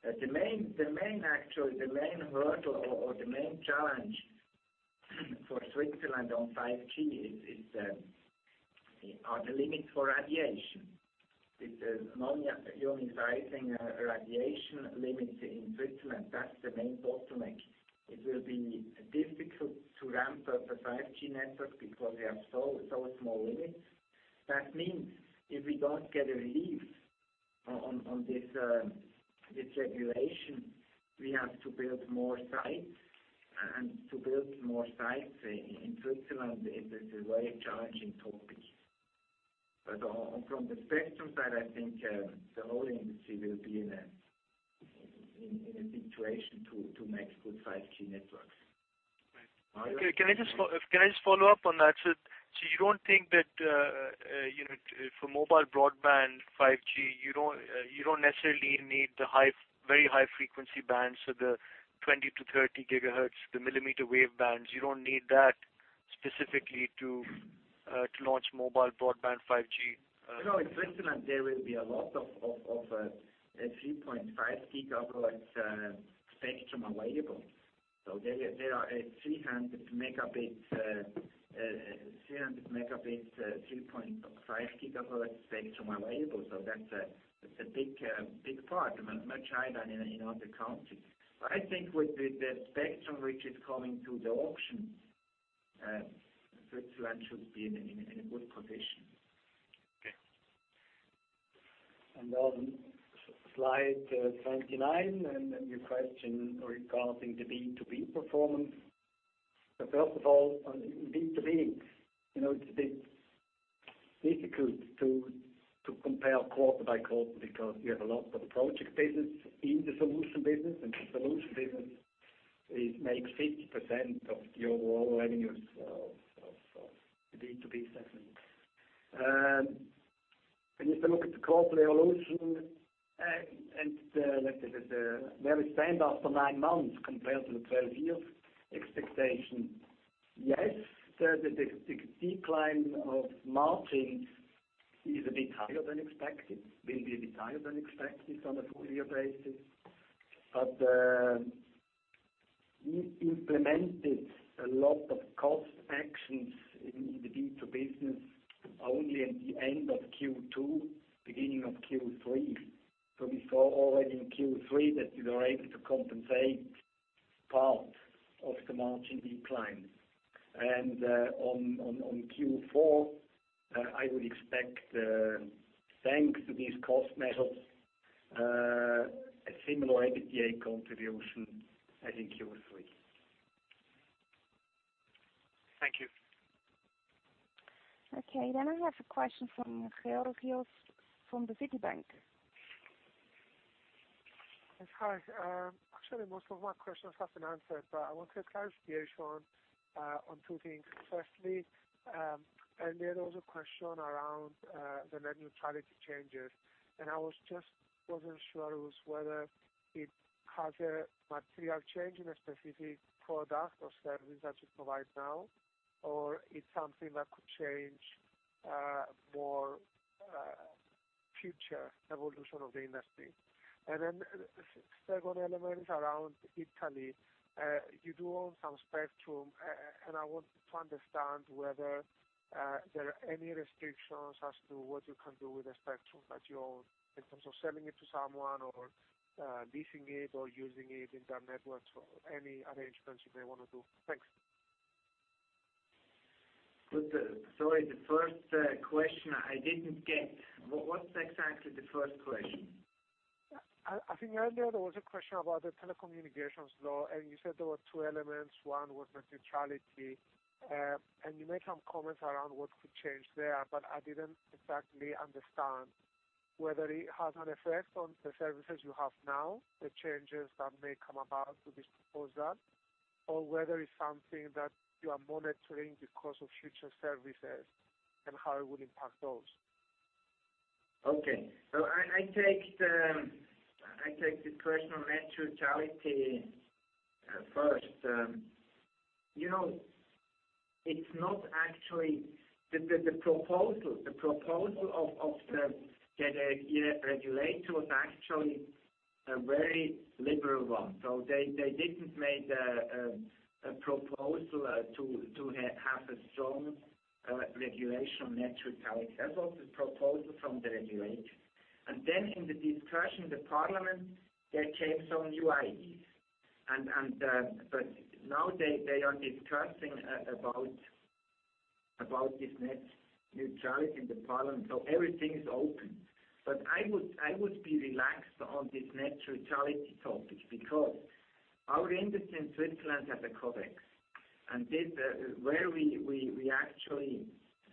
Actually, the main hurdle or the main challenge for Switzerland on 5G are the limits for radiation. With the non-ionizing radiation limits in Switzerland, that's the main bottleneck. It will be difficult to ramp up a 5G network because we have so-small limits. That means if we don't get a relief on this regulation, we have to build more sites. To build more sites in Switzerland is a very challenging topic. From the spectrum side, I think the whole industry will be in a good situation to make good 5G networks. Right. Mario? Can I just follow up on that? You don't think that for mobile broadband 5G, you don't necessarily need the very high-frequency bands, the 20 to 30 gigahertz, the millimeter-wave bands. You don't need that specifically to launch mobile broadband 5G? No, in Switzerland, there will be a lot of 3.5 gigahertz spectrum available. There are 300 megabits, 3.5 gigahertz spectrum available. That's a big part, much higher than in other countries. I think with the spectrum which is coming to the auction, Switzerland should be in a good position. Okay. On slide 29, and your question regarding the B2B performance. First of all, B2B, it's a bit difficult to compare quarter by quarter because we have a lot of project business in the solution business. The solution business, it makes 50% of the overall revenues of the B2B segment. When you look at the quarterly evolution and where we stand after nine months compared to the 12-year expectation. Yes, the decline of margins is a bit higher than expected, will be a bit higher than expected on a full-year basis. We implemented a lot of cost actions in the B2B business only at the end of Q2, beginning of Q3. We saw already in Q3 that we were able to compensate part of the margin decline. On Q4, I would expect, thanks to these cost measures, a similar EBITDA contribution as in Q3. Thank you. Okay, then I have a question from Georgios from Citibank. Yes, hi. Actually, most of my questions have been answered, I want to clarify with you, Urs, on two things. Firstly, there was a question around the net neutrality changes. I just wasn't sure it was whether it has a material change in a specific product or service that you provide now, or it's something that could change more future evolution of the industry. The second element is around Italy. You do own some spectrum, and I want to understand whether there are any restrictions as to what you can do with the spectrum that you own in terms of selling it to someone or leasing it or using it in their networks or any arrangements you may want to do. Thanks. Sorry, the first question I didn't get. What's exactly the first question? I think earlier there was a question about the Telecommunications Act, you said there were two elements. One was net neutrality. You made some comments around what could change there, but I didn't exactly understand whether it has an effect on the services you have now, the changes that may come about to this proposal, or whether it's something that you are monitoring because of future services and how it would impact those. Okay. I take the question on net neutrality first. The proposal of the regulator was actually a very liberal one. They didn't make a proposal to have a strong regulation on net neutrality. That was the proposal from the regulator. Then in the discussion in the parliament, there came some new ideas. Now they are discussing about this net neutrality in the parliament, everything is open. I would be relaxed on this net neutrality topic because our industry in Switzerland has a codex. Where we actually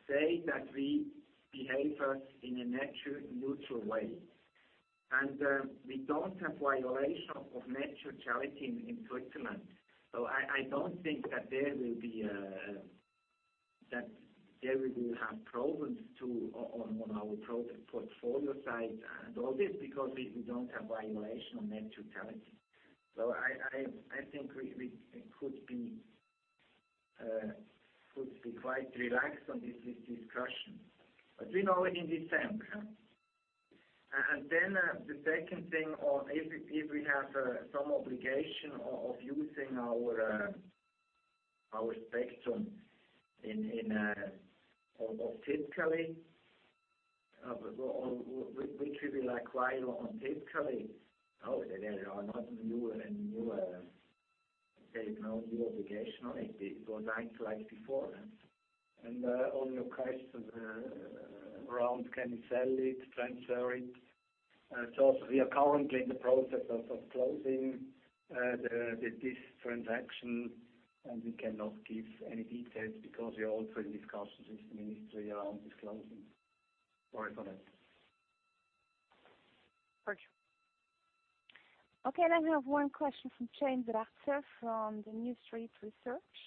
say that we behave us in a net neutral way. We don't have violation of net neutrality in Switzerland. I don't think that there we will have problems on our portfolio side and all this because we don't have violation of net neutrality. I think we could be quite relaxed on this discussion. We know in December. Then the second thing on if we have some obligation of using our spectrum of Ticino, which we acquired on Ticino. No, there are not any new obligation on it. It was like before. On your question around can you sell it, transfer it. We are currently in the process of closing this transaction, and we cannot give any details because we are also in discussions with the ministry around this closing. Sorry for that. Thank you. Okay, I have one question from James Ratzer from New Street Research.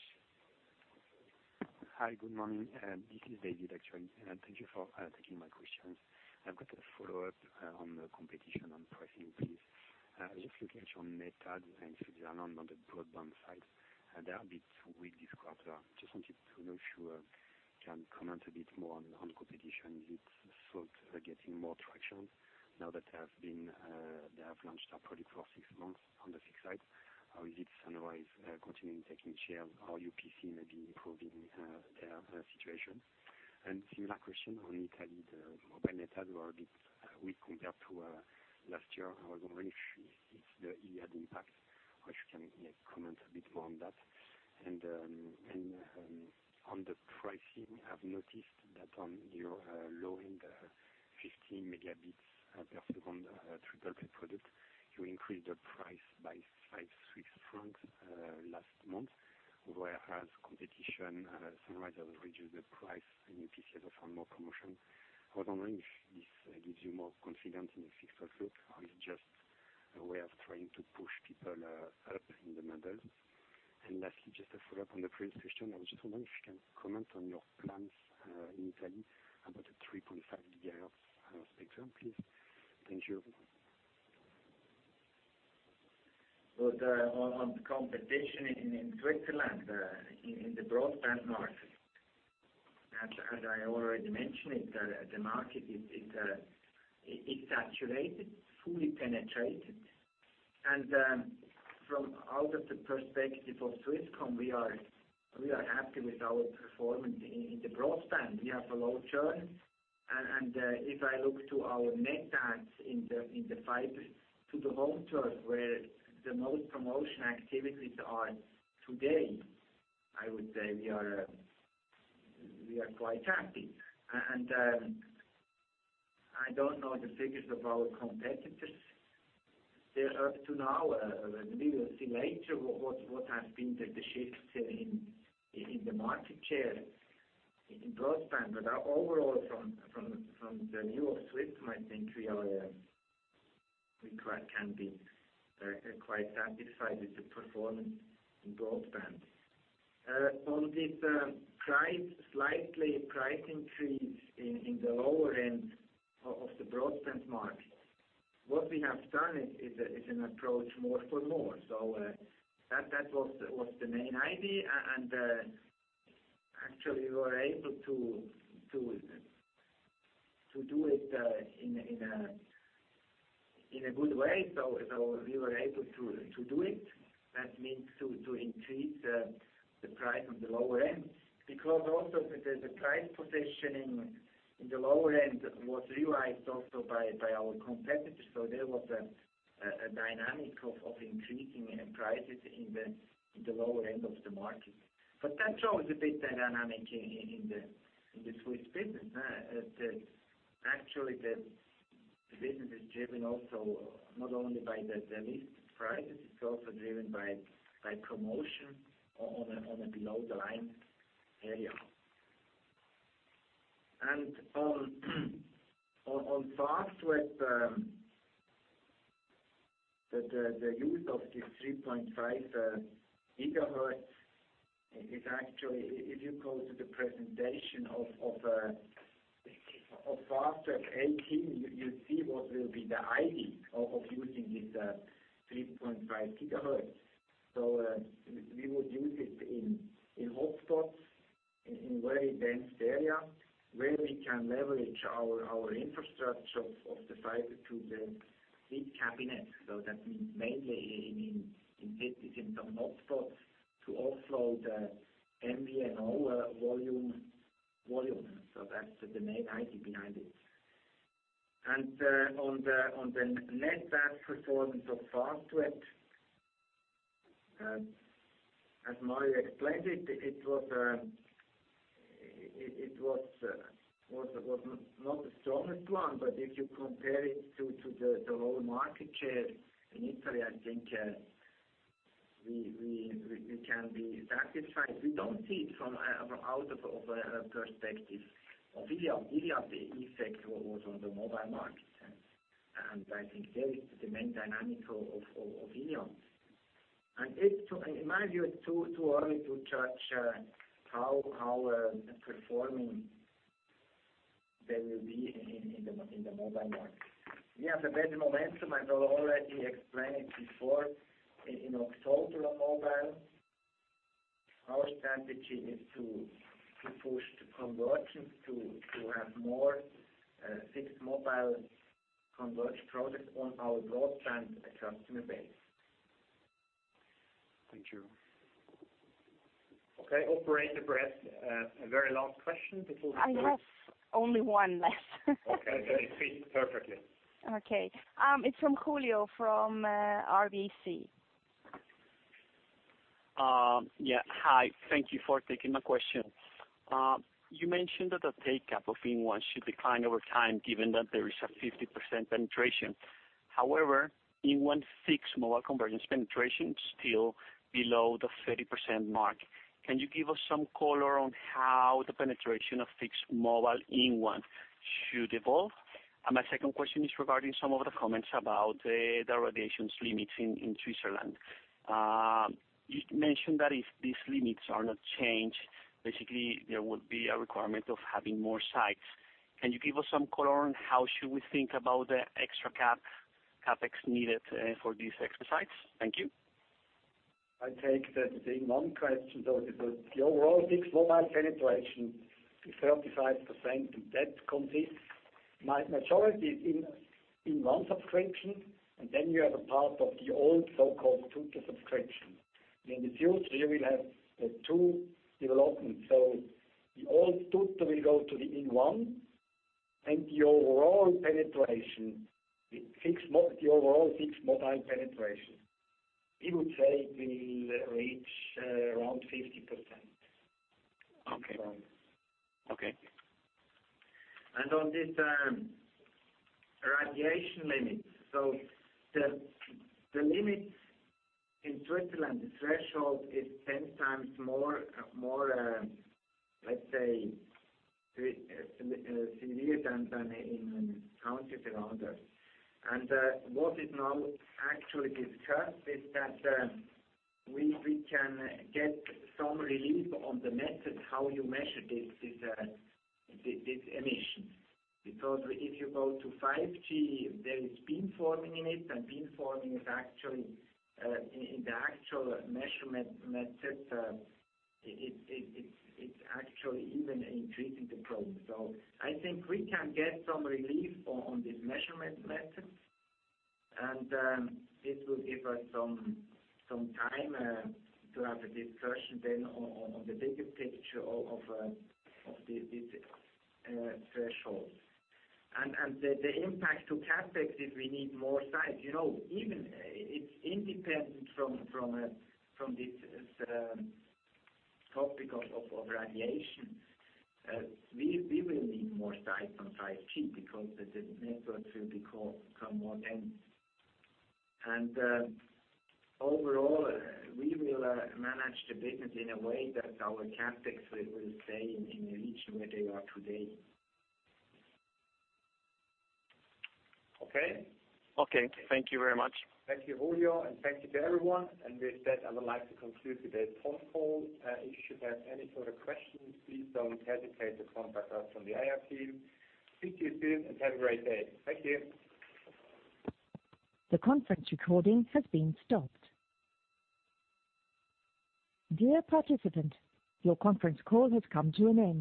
Hi, good morning. This is David actually. Thank you for taking my questions. I've got a follow-up on the competition on pricing, please. Just looking at your net adds in Switzerland on the broadband side. They are a bit weak this quarter. Just wanted to know if you can comment a bit more on competition. Is it getting more traction now that they have launched a product for six months on the fixed side? Is it Sunrise continuing taking shares or UPC maybe improving their situation? Similar question on Italy, the mobile net adds were a bit weak compared to last year. I was wondering if the Iliad impact, or if you can comment a bit more on that. On the pricing, I've noticed that on your low-end 15 megabits per second triple play product, you increased the price by 5 Swiss francs last month. Whereas competition, Sunrise has reduced the price and UPC has offered more promotion. I was wondering if this gives you more confidence in the fixed outlook, or is it just a way of trying to push people up in the models? Lastly, just a follow-up on the previous question. I just wonder if you can comment on your plans in Italy about the 3.5 gigahertz spectrum, please. Thank you. On competition in Switzerland, in the broadband market. As I already mentioned it, the market is saturated, fully penetrated. From out of the perspective of Swisscom, we are happy with our performance in the broadband. We have a low churn. If I look to our net adds in the fiber-to-the-home churn, where the most promotion activities are today, I would say we are quite happy. I don't know the figures of our competitors up to now. We will see later what has been the shift in the market share in broadband. Overall from the view of Swisscom, I think we can be quite satisfied with the performance in broadband. On this slightly price increase in the lower end of the broadband market, what we have done is an approach more for more. That was the main idea. Actually, we were able to do it in a good way. We were able to do it. That means to increase the price on the lower end. Also the price positioning in the lower end was realized also by our competitors. There was a dynamic of increasing prices in the lower end of the market. That shows a bit the dynamic in the Swiss business. Actually, the business is driven also not only by the list prices, it's also driven by promotion on a below-the-line area. On Fastweb, the use of this 3.5 GHz is actually, if you go to the presentation of Fastweb 18, you see what will be the idea of using this 3.5 GHz. We would use it in hotspots, in very dense area where we can leverage our infrastructure of the fiber to the street cabinet. That means mainly in the hotspots to offload the MVNO volume. That's the main idea behind it. On the net adds performance of Fastweb, as Mario explained it was not the strongest one. If you compare it to the low market share in Italy, I think we can be satisfied. We don't see it from out of perspective of Iliad. Iliad effect was on the mobile market. I think there is the main dynamic of Iliad. In my view, it's too early to judge how our performing there will be in the mobile market. We have a very good momentum, and I already explained it before. [In October mobile], our strategy is to push the convergence to have more fixed-mobile converged products on our broadband customer base. Thank you. Okay. Operator, a very last question before we close. I have only one left. Okay. It fits perfectly. Okay. It's from Julio from RBC. Hi. Thank you for taking my question. You mentioned that the take-up of inOne should decline over time given that there is a 50% penetration. However, inOne fixed-mobile convergence penetration still below the 30% mark. Can you give us some color on how the penetration of fixed-mobile inOne should evolve? My second question is regarding some of the comments about the radiation limits in Switzerland. You mentioned that if these limits are not changed, basically there would be a requirement of having more sites. Can you give us some color on how should we think about the extra CapEx needed for these extra sites? Thank you. I take the inOne question. The overall fixed-mobile penetration is 35%, and that consists majority inOne subscription. Then you have a part of the old so-called Tutto subscription. In the future, we will have the two developments. The old Tutto will go to the inOne. The overall fixed-mobile penetration, we would say it will reach around 50%. Okay. On this radiation limit. The limit in Switzerland, the threshold is 10 times more, let's say, severe than in countries around us. What is now actually discussed is that we can get some relief on the method how you measure this emission. Because if you go to 5G, there is beamforming in it, beamforming is actually, in the actual measurement method, it's actually even increasing the problem. I think we can get some relief on this measurement method, this will give us some time to have a discussion then on the bigger picture of these thresholds. The impact to CapEx is we need more sites. Even it's independent from this topic of radiation. We will need more sites on 5G because the networks will become more dense. Overall, we will manage the business in a way that our CapEx will stay in the region where they are today. Okay? Okay. Thank you very much. Thank you, Julio, and thank you to everyone. With that, I would like to conclude today's phone call. If you should have any further questions, please don't hesitate to contact us from the IR team. Speak to you soon, and have a great day. Thank you. The conference recording has been stopped. Dear participant, your conference call has come to an end.